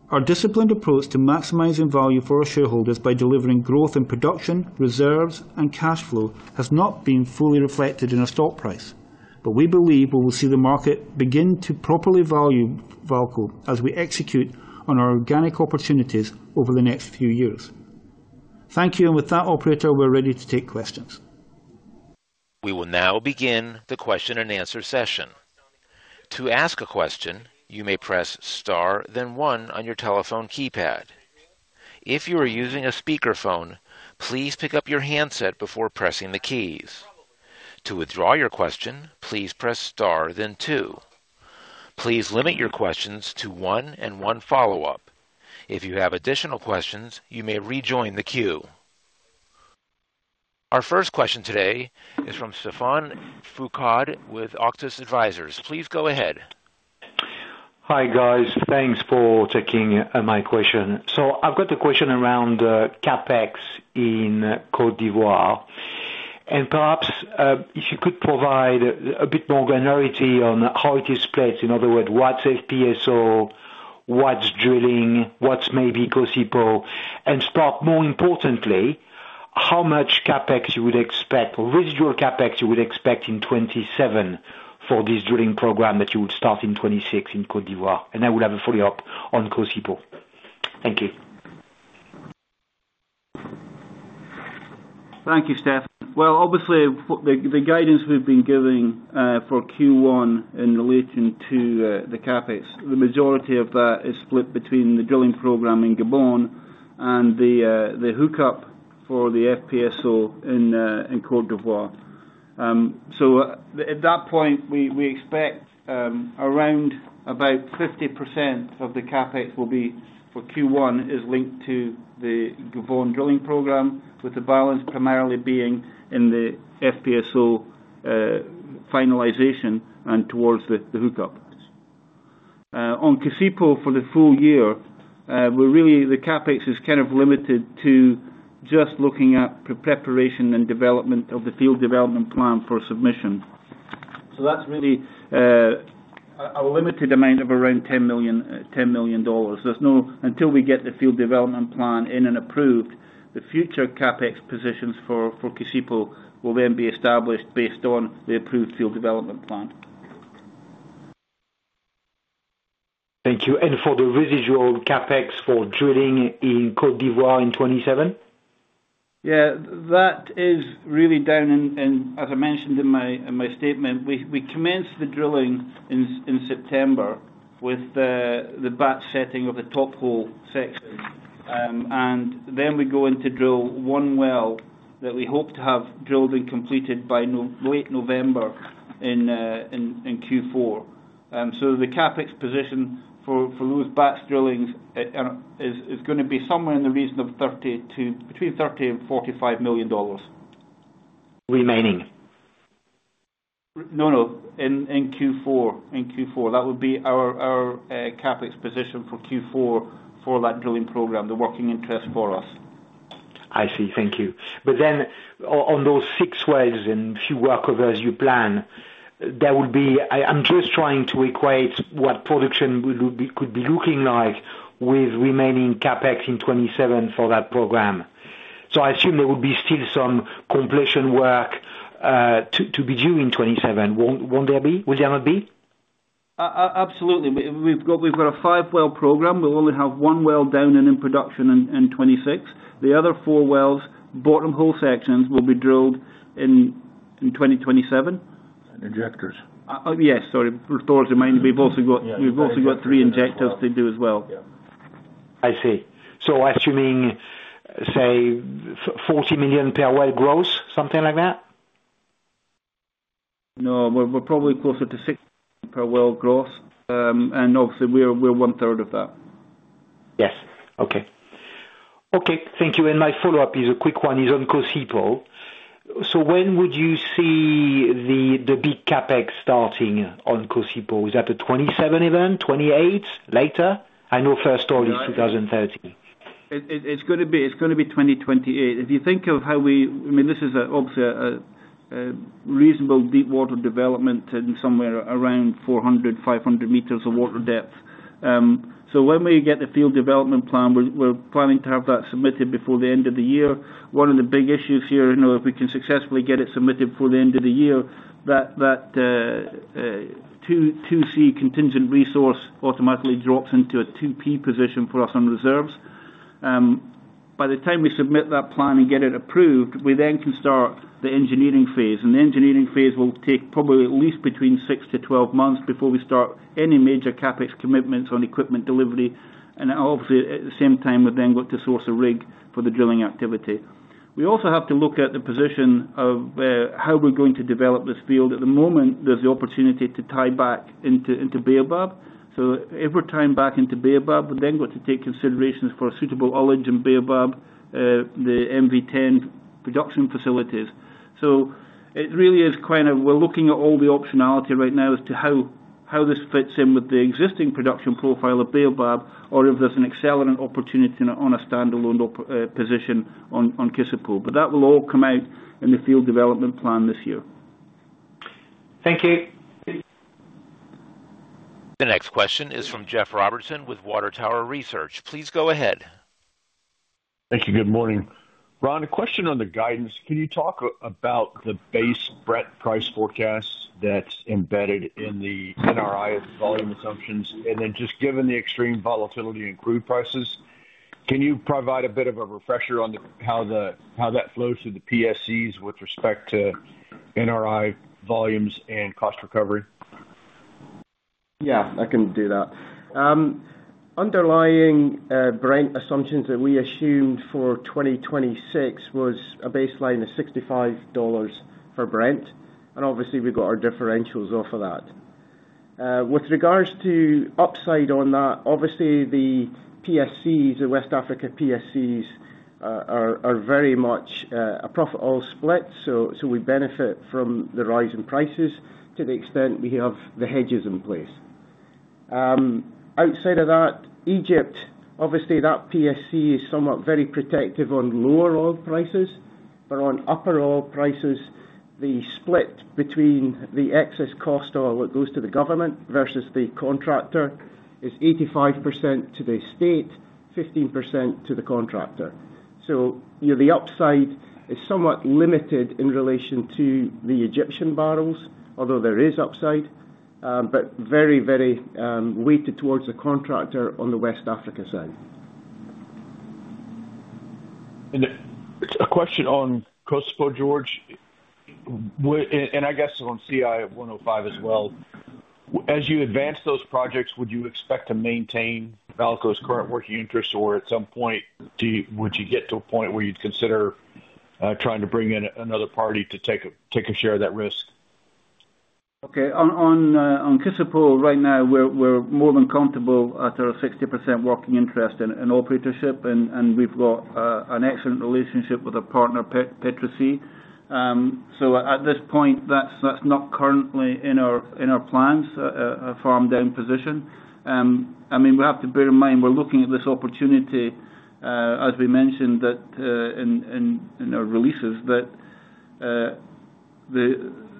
Our disciplined approach to maximizing value for our shareholders by delivering growth in production, reserves, and cash flow has not been fully reflected in our stock price, but we believe we will see the market begin to properly value VAALCO as we execute on our organic opportunities over the next few years. Thank you. With that operator, we're ready to take questions. We will now begin the question-and-answer session. To ask a question, you may press star then one on your telephone keypad. If you are using a speakerphone, please pick up your handset before pressing the keys. To withdraw your question, please press star then two. Please limit your questions to one and one follow-up. If you have additional questions, you may rejoin the queue. Our first question today is from Stephane Foucaud with Auctus Advisors. Please go ahead. Hi, guys. Thanks for taking my question. I've got a question around CapEx in Côte d'Ivoire. Perhaps if you could provide a bit more granularity on how it is split. In other words, what's FPSO, what's drilling, what's maybe Kossipo, and, more importantly, how much CapEx you would expect or residual CapEx you would expect in 2027 for this drilling program that you would start in 2026 in Côte d'Ivoire. I would have a follow-up on Kossipo. Thank you. Thank you, Steph. Well, obviously the guidance we've been giving for Q1 in relating to the CapEx. The majority of that is split between the drilling program in Gabon and the hookup for the FPSO in Cote d'Ivoire. So at that point, we expect around 50% of the CapEx will be for Q1 is linked to the Gabon drilling program, with the balance primarily being in the FPSO finalization and towards the hookup. On Kossipo for the full year, we're really the CapEx is kind of limited to just looking at preparation and development of the field development plan for submission. So that's really a limited amount of around $10 million. There's no. Until we get the field development plan in and approved, the future CapEx positions for Kossipo will then be established based on the approved field development plan. Thank you. For the residual CapEx for drilling in Côte d'Ivoire in 2027? Yeah. That is really down in. As I mentioned in my statement, we commenced the drilling in September with the batch setting of the top hole section. Then we go in to drill one well that we hope to have drilled and completed by late November in Q4. So the CapEx position for those batch drillings is gonna be somewhere in the region of between $30 million and $45 million. Remaining? No, no. In Q4. That would be our CapEx position for Q4 for that drilling program, the working interest for us. I see. Thank you. On those six wells and a few workovers you plan, there will be. I'm just trying to equate what production could be looking like with remaining CapEx in 2027 for that program. I assume there will be still some completion work, to be due in 2027. Won't there be? Will there not be? Absolutely. We've got a five-well program. We'll only have one well down and in production in 2026. The other four wells, bottom hole sections will be drilled in 2027. Injectors. Yes. Sorry. Thor's reminded me we've also got. Yeah. We've also got three injectors to do as well. Yeah. I see. Assuming, say $40 million per well gross, something like that? No. We're probably closer to six per well gross. Obviously we're one-third of that. Yes. Okay. Thank you. My follow-up is a quick one, is on Kossipo. So when would you see the big CapEx starting on Kossipo? Is that a 2027 event, 2028, later? I know first oil is 2030. It's gonna be 2028. If you think of how we, I mean, this is obviously a reasonable deep water development in somewhere around 400-500 meters of water depth. So when we get the field development plan, we're planning to have that submitted before the end of the year. One of the big issues here, you know, if we can successfully get it submitted before the end of the year that 2C contingent resource automatically drops into a 2P position for us on reserves. By the time we submit that plan and get it approved, we then can start the engineering phase, and the engineering phase will take probably at least between six to 12 months before we start any major CapEx commitments on equipment delivery. Obviously at the same time, we've then got to source a rig for the drilling activity. We also have to look at the position of how we're going to develop this field. At the moment, there's the opportunity to tie back into Baobab. If we're tying back into Baobab, we've then got to take considerations for suitable oil in Baobab, the MV10 production facilities. It really is kind of we're looking at all the optionality right now as to how this fits in with the existing production profile at Baobab or if there's an alternative opportunity on a standalone op position on Kossipo. That will all come out in the field development plan this year. Thank you. The next question is from Jeff Robertson with Water Tower Research. Please go ahead. Thank you. Good morning. Ron, a question on the guidance. Can you talk about the base Brent price forecast that's embedded in the NRI volume assumptions? Just given the extreme volatility in crude prices, can you provide a bit of a refresher on how that flows through the PSCs with respect to NRI volumes and cost recovery? Yeah, I can do that. Underlying Brent assumptions that we assumed for 2026 was a baseline of $65 for Brent, and obviously we've got our differentials off of that. With regards to upside on that, obviously the PSCs, the West Africa PSCs, are very much a profit oil split, so we benefit from the rise in prices to the extent we have the hedges in place. Outside of that, Egypt, obviously that PSC is somewhat very protective on lower oil prices. But on upper oil prices, the split between the excess cost, or what goes to the government, versus the contractor is 85% to the state, 15% to the contractor. You know, the upside is somewhat limited in relation to the Egyptian barrels, although there is upside, but very weighted towards the contractor on the West Africa side. A question on Kossipo, George. I guess on CI-705 as well. As you advance those projects, would you expect to maintain VAALCO's current working interest? Or at some point, would you get to a point where you'd consider trying to bring in another party to take a share of that risk? On Kossipo right now we're more than comfortable at our 60% working interest in operatorship. We've got an excellent relationship with our partner, Petroci. At this point, that's not currently in our plans to farm down position. I mean, we have to bear in mind, we're looking at this opportunity, as we mentioned that in our releases that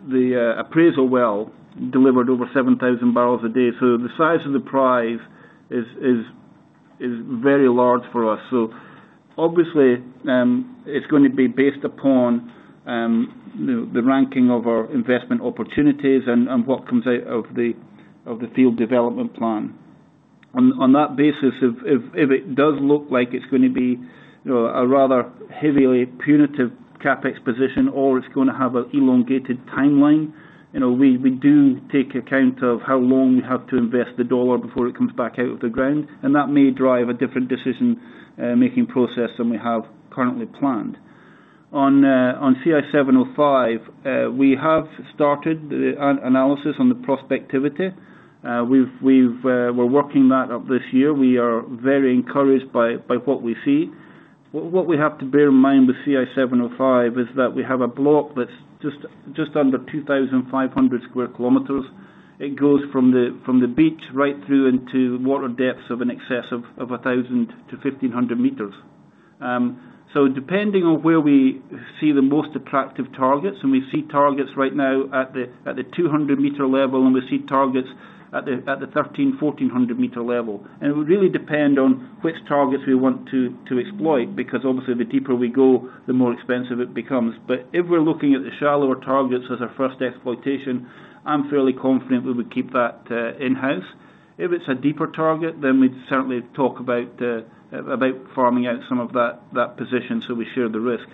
the appraisal well delivered over 7,000 barrels a day. The size of the prize is very large for us. Obviously, it's gonna be based upon, you know, the ranking of our investment opportunities and what comes out of the field development plan. On that basis, if it does look like it's gonna be, you know, a rather heavily punitive CapEx position, or it's gonna have a elongated timeline, you know, we do take account of how long we have to invest the dollar before it comes back out of the ground, and that may drive a different decision making process than we have currently planned. On CI-705, we have started the analysis on the prospectivity. We're working that up this year. We are very encouraged by what we see. What we have to bear in mind with CI-705 is that we have a block that's just under 2,500 square kilometers. It goes from the beach right through into water depths in excess of 1,000-1,500 meters. Depending on where we see the most attractive targets, and we see targets right now at the 200-meter level, and we see targets at the 1,300-1,400-meter level. It would really depend on which targets we want to exploit, because obviously the deeper we go, the more expensive it becomes. If we're looking at the shallower targets as our first exploitation, I'm fairly confident we would keep that in-house. If it's a deeper target, then we'd certainly talk about farming out some of that position so we share the risk.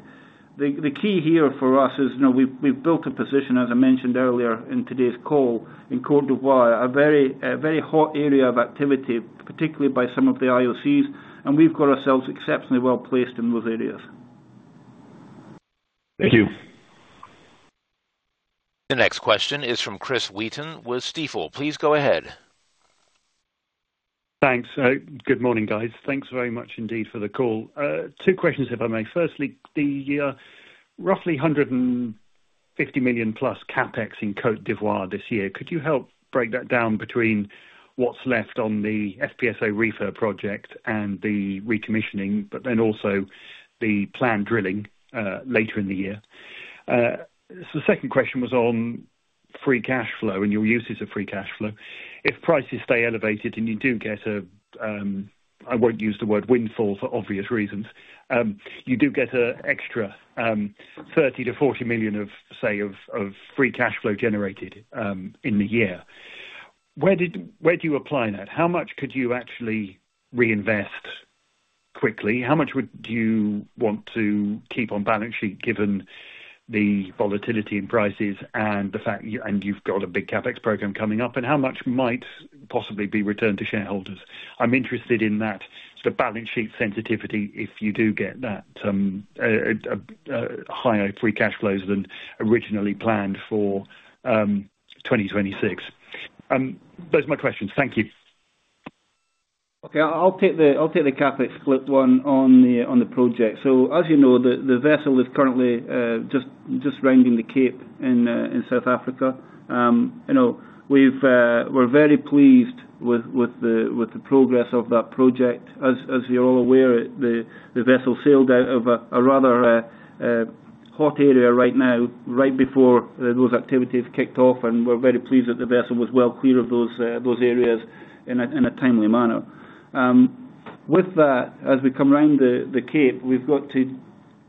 The key here for us is, you know, we've built a position, as I mentioned earlier in today's call, in Côte d'Ivoire, a very hot area of activity, particularly by some of the IOCs, and we've got ourselves exceptionally well placed in those areas. Thank you. The next question is from Chris Wheaton with Stifel. Please go ahead. Thanks. Good morning, guys. Thanks very much indeed for the call. Two questions if I may. Firstly, the roughly $150 million plus CapEx in Côte d'Ivoire this year. Could you help break that down between what's left on the FPSO refit project and the recommissioning, but then also the planned drilling later in the year? So the second question was on free cash flow and your uses of free cash flow. If prices stay elevated and you do get a, I won't use the word windfall for obvious reasons, you do get a extra $30 million-$40 million of free cash flow generated in the year. Where do you apply that? How much could you actually reinvest quickly? How much would... Do you want to keep on balance sheet given the volatility in prices and the fact you and you've got a big CapEx program coming up? How much might possibly be returned to shareholders? I'm interested in that, the balance sheet sensitivity if you do get that higher free cash flows than originally planned for, 2026. Those are my questions. Thank you. Okay. I'll take the CapEx split one on the project. As you know, the vessel is currently just rounding the Cape in South Africa. You know, we're very pleased with the progress of that project. As you're all aware, the vessel sailed out of a rather hot area right now, right before those activities kicked off, and we're very pleased that the vessel was well clear of those areas in a timely manner. With that, as we come round the Cape, we've got to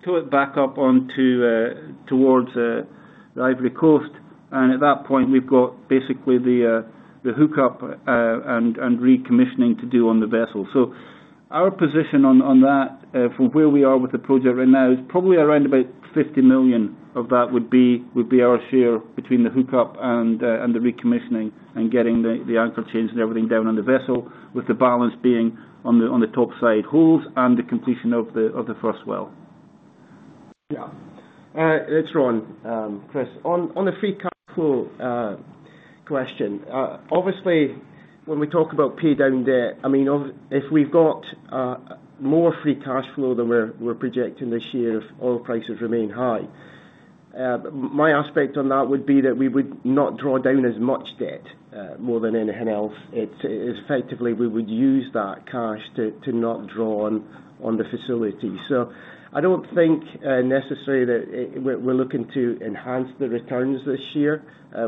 tow it back up onto towards the Côte d'Ivoire. At that point, we've got basically the hookup and recommissioning to do on the vessel. Our position on that from where we are with the project right now is probably around about $50 million of that would be our share between the hookup and the recommissioning and getting the anchor chains and everything down on the vessel, with the balance being on the top side holds and the completion of the first well. Yeah. It's Ron, Chris. On the free cash flow question. Obviously, when we talk about pay down debt, I mean, if we've got more free cash flow than we're projecting this year if oil prices remain high, my aspect on that would be that we would not draw down as much debt, more than anything else. It's effectively, we would use that cash to not draw on the facility. I don't think necessarily that we're looking to enhance the returns this year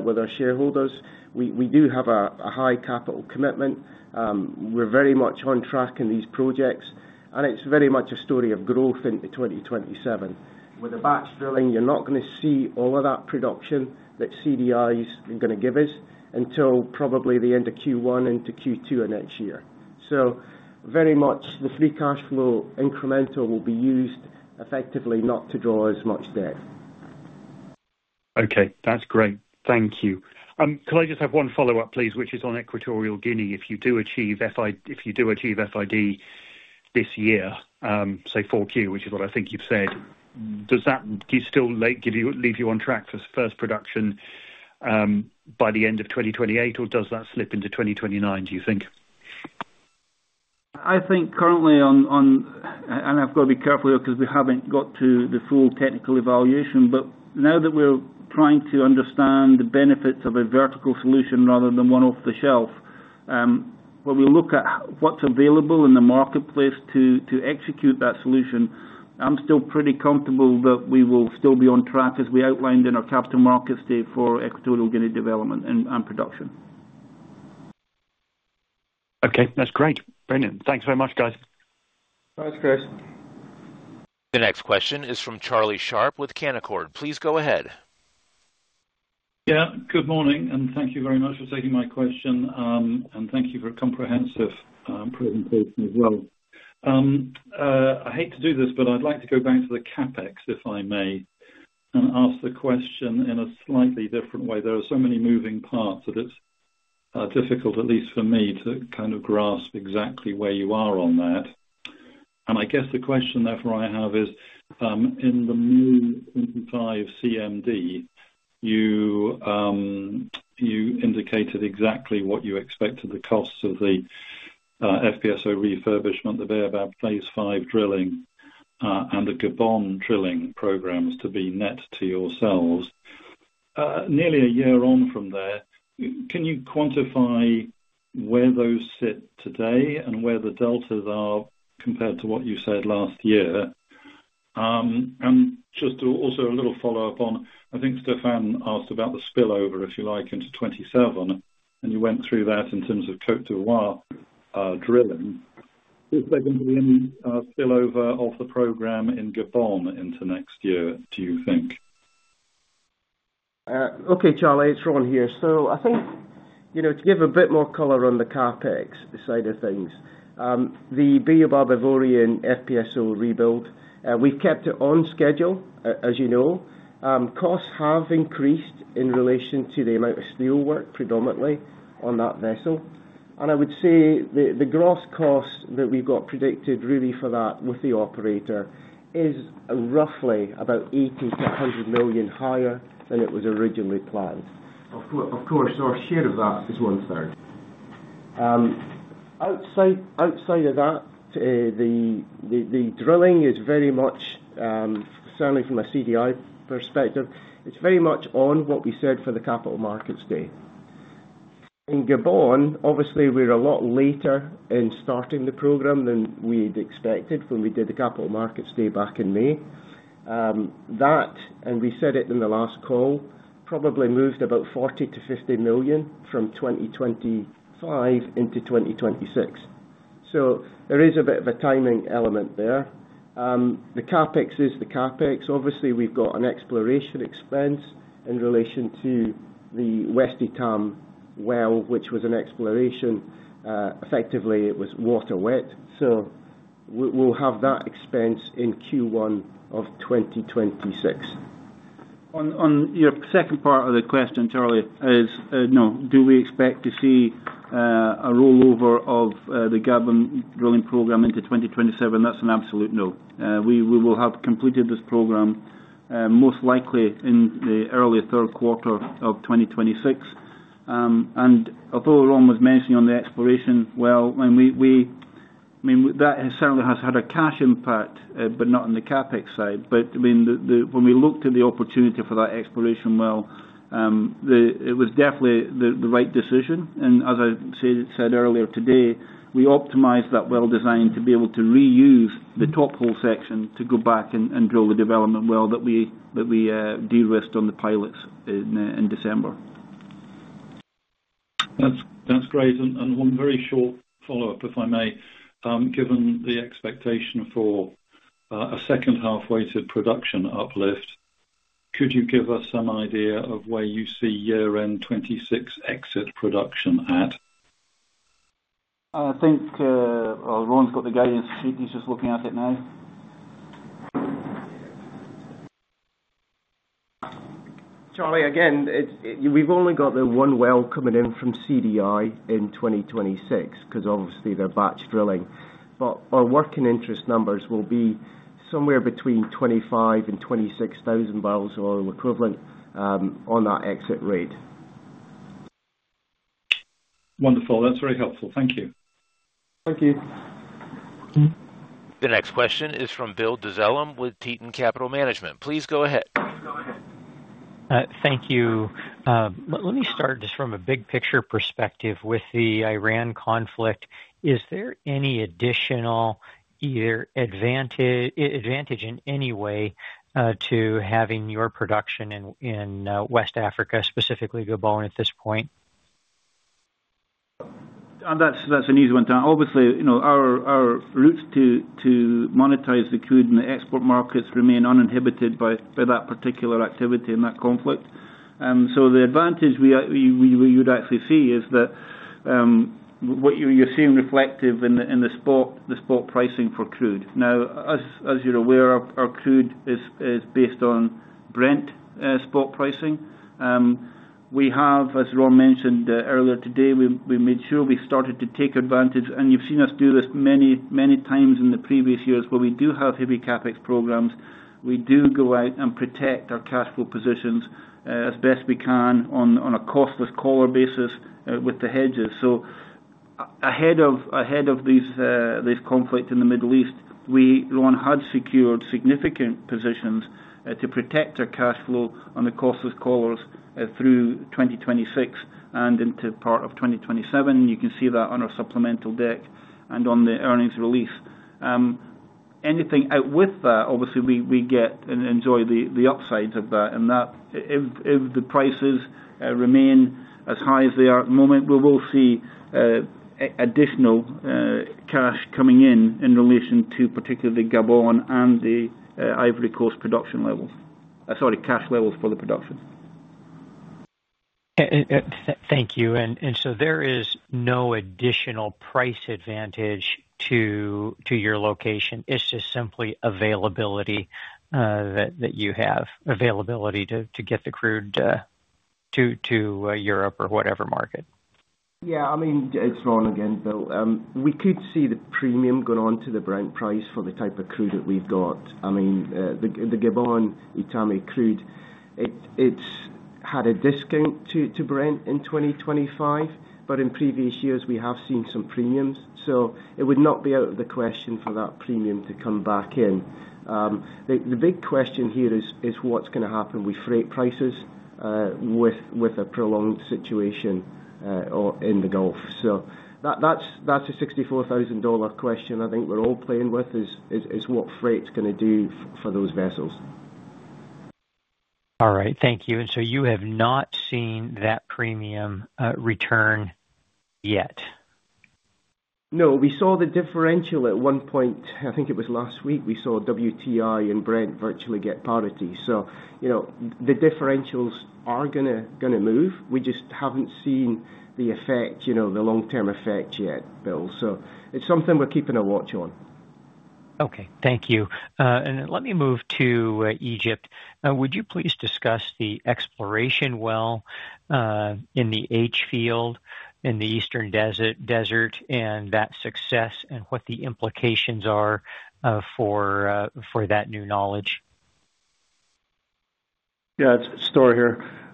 with our shareholders. We do have a high capital commitment. We're very much on track in these projects, and it's very much a story of growth into 2027. With the batch drilling, you're not gonna see all of that production that CDI is gonna give us until probably the end of Q1 into Q2 of next year. Very much the free cash flow incremental will be used effectively not to draw as much debt. Okay. That's great. Thank you. Could I just have one follow-up, please, which is on Equatorial Guinea. If you do achieve FID this year, say 4Q, which is what I think you've said, does that still leave you on track for first production by the end of 2028, or does that slip into 2029, do you think? I think currently. I've got to be careful because we haven't got to the full technical evaluation. Now that we're trying to understand the benefits of a vertical solution rather than one off the shelf, when we look at what's available in the marketplace to execute that solution, I'm still pretty comfortable that we will still be on track as we outlined in our Capital Markets Day for Equatorial Guinea development and production. Okay. That's great. Brilliant. Thanks very much, guys. Thanks, Chris. The next question is from Charlie Sharp with Canaccord. Please go ahead. Yeah. Good morning, and thank you very much for taking my question. Thank you for a comprehensive presentation as well. I hate to do this, but I'd like to go back to the CapEx, if I may, and ask the question in a slightly different way. There are so many moving parts that it's difficult, at least for me, to kind of grasp exactly where you are on that. I guess the question therefore I have is, in the May 25 CMD, you indicated exactly what you expect of the costs of the FPSO refurbishment, the Baobab phase V drilling, and the Gabon drilling programs to be net to yourselves. Nearly a year on from there, can you quantify where those sit today and where the deltas are compared to what you said last year? Just also a little follow-up on, I think Stephane asked about the spillover, if you like, into 2027, and you went through that in terms of Côte d'Ivoire drilling. Is there gonna be any spillover of the program in Gabon into next year, do you think? Charlie, it's Ron here. I think, you know, to give a bit more color on the CapEx side of things, the Baobab Ivorian FPSO rebuild, we've kept it on schedule, as you know. Costs have increased in relation to the amount of steelwork predominantly on that vessel. I would say the gross cost that we've got predicted really for that with the operator is roughly about $80 million-$100 million higher than it was originally planned. Of course, our share of that is one-third. Outside of that, the drilling is very much, certainly from a CDI perspective, it's very much on what we said for the Capital Markets Day. In Gabon, obviously, we're a lot later in starting the program than we'd expected when we did the Capital Markets Day back in May. That, we said it in the last call, probably moved about $40 million-$50 million from 2025 into 2026. There is a bit of a timing element there. The CapEx is the CapEx. Obviously, we've got an exploration expense in relation to the West Etame well, which was an exploration. Effectively, it was water wet. We'll have that expense in Q1 of 2026. On your second part of the question, Charlie, is no. Do we expect to see a rollover of the Gabon drilling program into 2027? That's an absolute no. We will have completed this program most likely in the early third quarter of 2026. Although Ron was mentioning on the exploration well, when we I mean, that certainly has had a cash impact, but not on the CapEx side. I mean, when we looked at the opportunity for that exploration well, it was definitely the right decision. As I said earlier today, we optimized that well design to be able to reuse the top hole section to go back and drill the development well that we de-risked on the pilots in December. That's great. One very short follow-up, if I may. Given the expectation for a second half weighted production uplift, could you give us some idea of where you see year-end 2026 exit production at? I think, well, Ron's got the guidance. He's just looking at it now. Charlie, again, we've only got the one well coming in from CDI in 2026 because obviously they're batch drilling. Our working interest numbers will be somewhere between 25 and 26 thousand barrels oil equivalent on that exit rate. Wonderful. That's very helpful. Thank you. Thank you. The next question is from Bill Dezellem with Tieton Capital Management. Please go ahead. Thank you. Let me start just from a big picture perspective with the Iran conflict. Is there any additional either advantage in any way to having your production in West Africa, specifically Gabon at this point? That's an easy one. Obviously, you know, our routes to monetize the crude in the export markets remain uninhibited by that particular activity in that conflict. The advantage we would actually see is that what you're seeing reflected in the spot pricing for crude. Now, as you're aware, our crude is based on Brent spot pricing. We have, as Ron mentioned earlier today, we made sure we started to take advantage, and you've seen us do this many times in the previous years, where we do have heavy CapEx programs. We do go out and protect our cash flow positions as best we can on a costless collar basis with the hedges. Ahead of this conflict in the Middle East, we gone had secured significant positions to protect our cash flow on the costless collars through 2026 and into part of 2027. You can see that on our supplemental deck and on the earnings release. Anything above that, obviously we get and enjoy the upside of that. That if the prices remain as high as they are at the moment, we will see additional cash coming in in relation to particularly Gabon and the Ivory Coast cash levels for the production. Yeah. Thank you. There is no additional price advantage to your location. It's just simply availability that you have. Availability to get the crude to Europe or whatever market. Yeah, I mean, it's Ron again, Bill. We could see the premium going on to the Brent price for the type of crude that we've got. I mean, the Gabon Etame crude, it's had a discount to Brent in 2025, but in previous years we have seen some premiums, so it would not be out of the question for that premium to come back in. The big question here is what's gonna happen with freight prices with a prolonged situation or in the Gulf. That's a $64,000 question I think we're all playing with is what freight's gonna do for those vessels. All right. Thank you. You have not seen that premium return yet? No. We saw the differential at one point. I think it was last week, we saw WTI and Brent virtually get parity. You know, the differentials are gonna move. We just haven't seen the effect, you know, the long-term effect yet, Bill. It's something we're keeping a watch on. Okay. Thank you. Let me move to Egypt. Would you please discuss the exploration well in the H-Field in the Eastern Desert, and that success and what the implications are for that new knowledge? Yeah. It's Stuart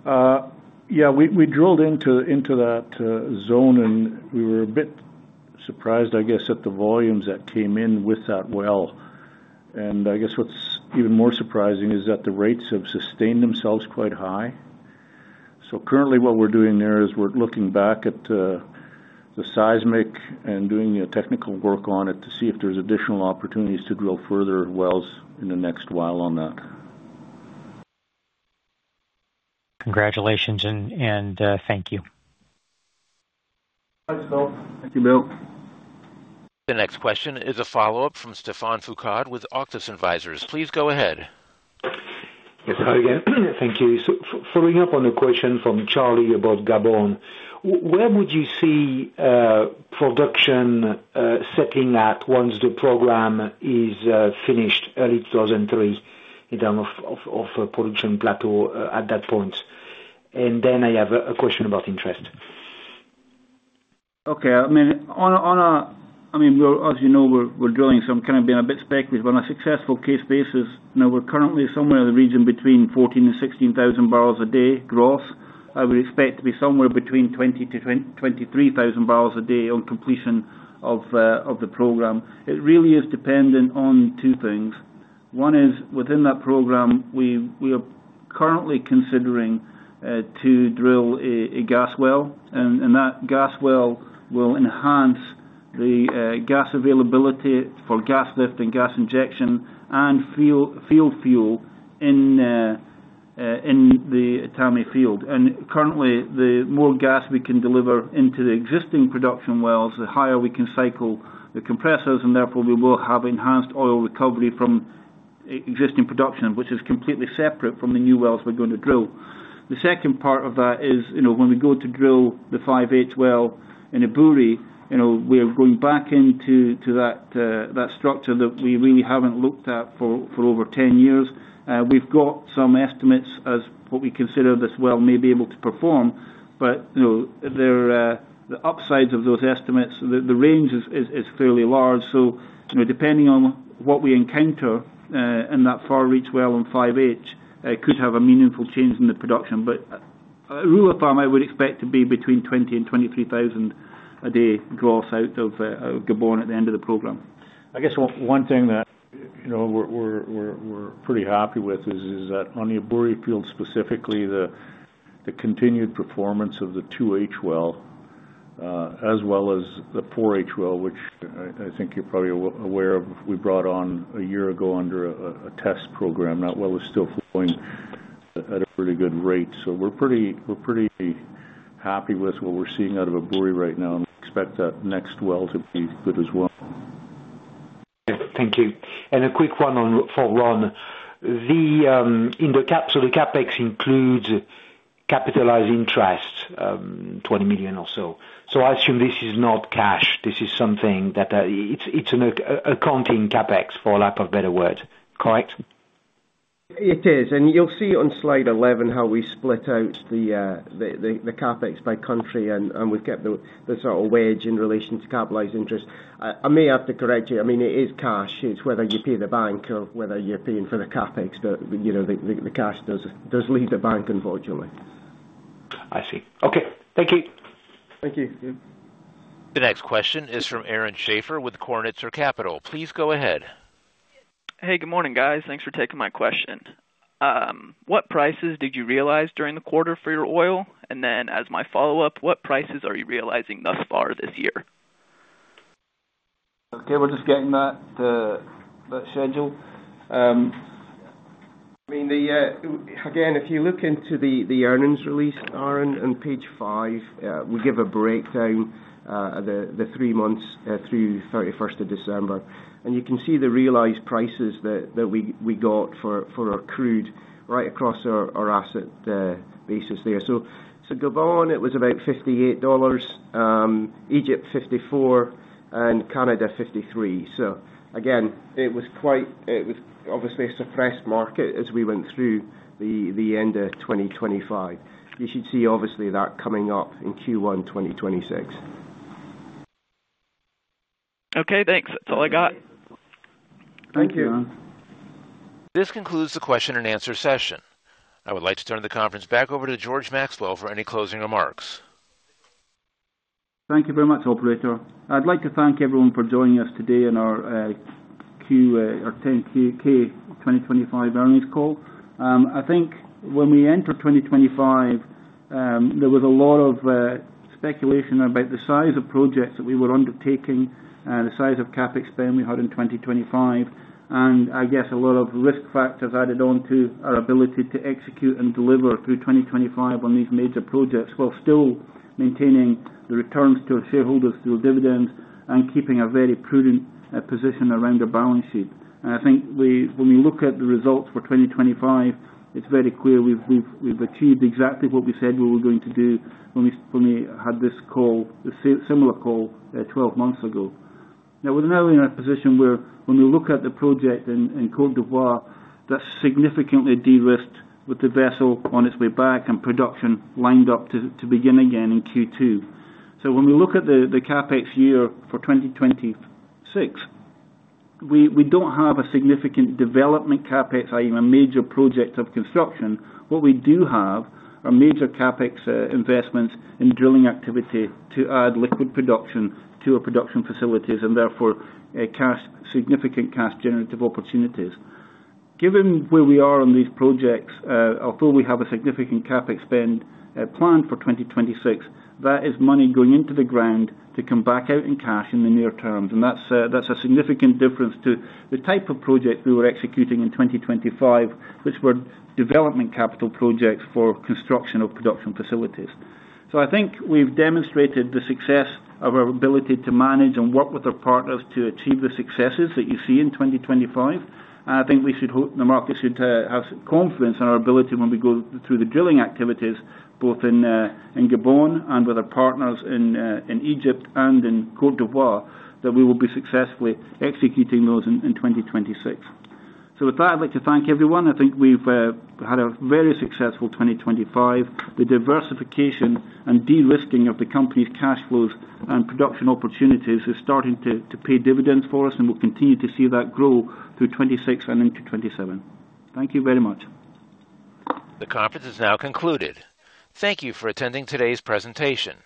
here. We drilled into that zone, and we were a bit surprised, I guess, at the volumes that came in with that well. I guess what's even more surprising is that the rates have sustained themselves quite high. Currently what we're doing there is we're looking back at the seismic and doing the technical work on it to see if there's additional opportunities to drill further wells in the next while on that. Congratulations and thank you. Thanks, Bill. Thank you, Bill. The next question is a follow-up from Stephane Foucaud with Auctus Advisors. Please go ahead. Yes. Hi again. Thank you. Following up on a question from Charlie about Gabon, where would you see production settling at once the program is finished early 2003 in terms of production plateau at that point? I have a question about interest. Okay. I mean, we're, as you know, drilling, so I'm kinda being a bit speculative. On a successful case basis, now we're currently somewhere in the region between 14,000-16,000 barrels a day gross. I would expect to be somewhere between 20,000-23,000 barrels a day on completion of the program. It really is dependent on two things. One is, within that program, we are currently considering to drill a gas well, and that gas well will enhance the gas availability for gas lift and gas injection and field fuel in the Etame field. Currently, the more gas we can deliver into the existing production wells, the higher we can cycle the compressors, and therefore we will have enhanced oil recovery from existing production, which is completely separate from the new wells we're gonna drill. The second part of that is, you know, when we go to drill the 5H well in Ebouri, you know, we're going back into that structure that we really haven't looked at for over 10 years. We've got some estimates of what we consider this well may be able to perform, but you know, the upsides of those estimates, the range is fairly large. You know, depending on what we encounter in that far reach well in 5H could have a meaningful change in the production. Rule of thumb, I would expect to be between 20 and 23 thousand a day gross out of Gabon at the end of the program. I guess one thing that, you know, we're pretty happy with is that on the Ebouri field, specifically the continued performance of the 2H well as well as the 4H well, which I think you're probably aware of, we brought on a year ago under a test program. That well is still flowing at a pretty good rate. We're pretty happy with what we're seeing out of Ebouri right now, and we expect that next well to be good as well. Thank you. A quick one on, for Ron. The in the CapEx, so the CapEx includes capitalized interest, $20 million or so. I assume this is not cash. This is something that, it's an accounting CapEx, for lack of a better word. Correct? It is. You'll see on slide 11 how we split out the CapEx by country, and we get the sort of way in relation to capitalized interest. I may have to correct you. I mean, it is cash. It's whether you pay the bank or whether you're paying for the CapEx. You know, the cash does leave the bank unfortunately. I see. Okay. Thank you. Thank you. The next question is from Aaron Schafer with Kornitzer Capital. Please go ahead. Hey, good morning, guys. Thanks for taking my question. What prices did you realize during the quarter for your oil? As my follow-up, what prices are you realizing thus far this year? Okay. We're just getting that schedule. I mean, again, if you look into the earnings release, Aaron, on page five, we give a breakdown, the three months through 31st of December. You can see the realized prices that we got for our crude right across our asset basis there. So Gabon, it was about $58, Egypt $54, and Canada $53. So again, it was obviously a suppressed market as we went through the end of 2025. You should see obviously that coming up in Q1 2026. Okay, thanks. That's all I got. Thank you. Thank you. This concludes the question and answer session. I would like to turn the conference back over to George Maxwell for any closing remarks. Thank you very much, operator. I'd like to thank everyone for joining us today in our 10-Q or 10-K 2025 earnings call. I think when we entered 2025, there was a lot of speculation about the size of projects that we were undertaking, the size of CapEx spend we had in 2025. I guess a lot of risk factors added on to our ability to execute and deliver through 2025 on these major projects while still maintaining the returns to our shareholders through dividends and keeping a very prudent position around our balance sheet. I think when we look at the results for 2025, it's very clear we've achieved exactly what we said we were going to do when we had this call, the similar call, twelve months ago. Now we're in a position where when we look at the project in Côte d'Ivoire, that's significantly de-risked with the vessel on its way back and production lined up to begin again in Q2. When we look at the CapEx year for 2026, we don't have a significant development CapEx, i.e., a major project of construction. What we do have are major CapEx investments in drilling activity to add liquid production to our production facilities and therefore significant cash generative opportunities. Given where we are on these projects, although we have a significant CapEx spend planned for 2026, that is money going into the ground to come back out in cash in the near term. That's a significant difference to the type of project we were executing in 2025, which were development capital projects for construction of production facilities. I think we've demonstrated the success of our ability to manage and work with our partners to achieve the successes that you see in 2025. I think the market should have confidence in our ability when we go through the drilling activities, both in Gabon and with our partners in Egypt and in Côte d'Ivoire, that we will be successfully executing those in 2026. With that, I'd like to thank everyone. I think we've had a very successful 2025. The diversification and de-risking of the company's cash flows and production opportunities is starting to pay dividends for us, and we'll continue to see that grow through 2026 and into 2027. Thank you very much. The conference is now concluded. Thank you for attending today's presentation.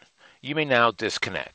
You may now disconnect.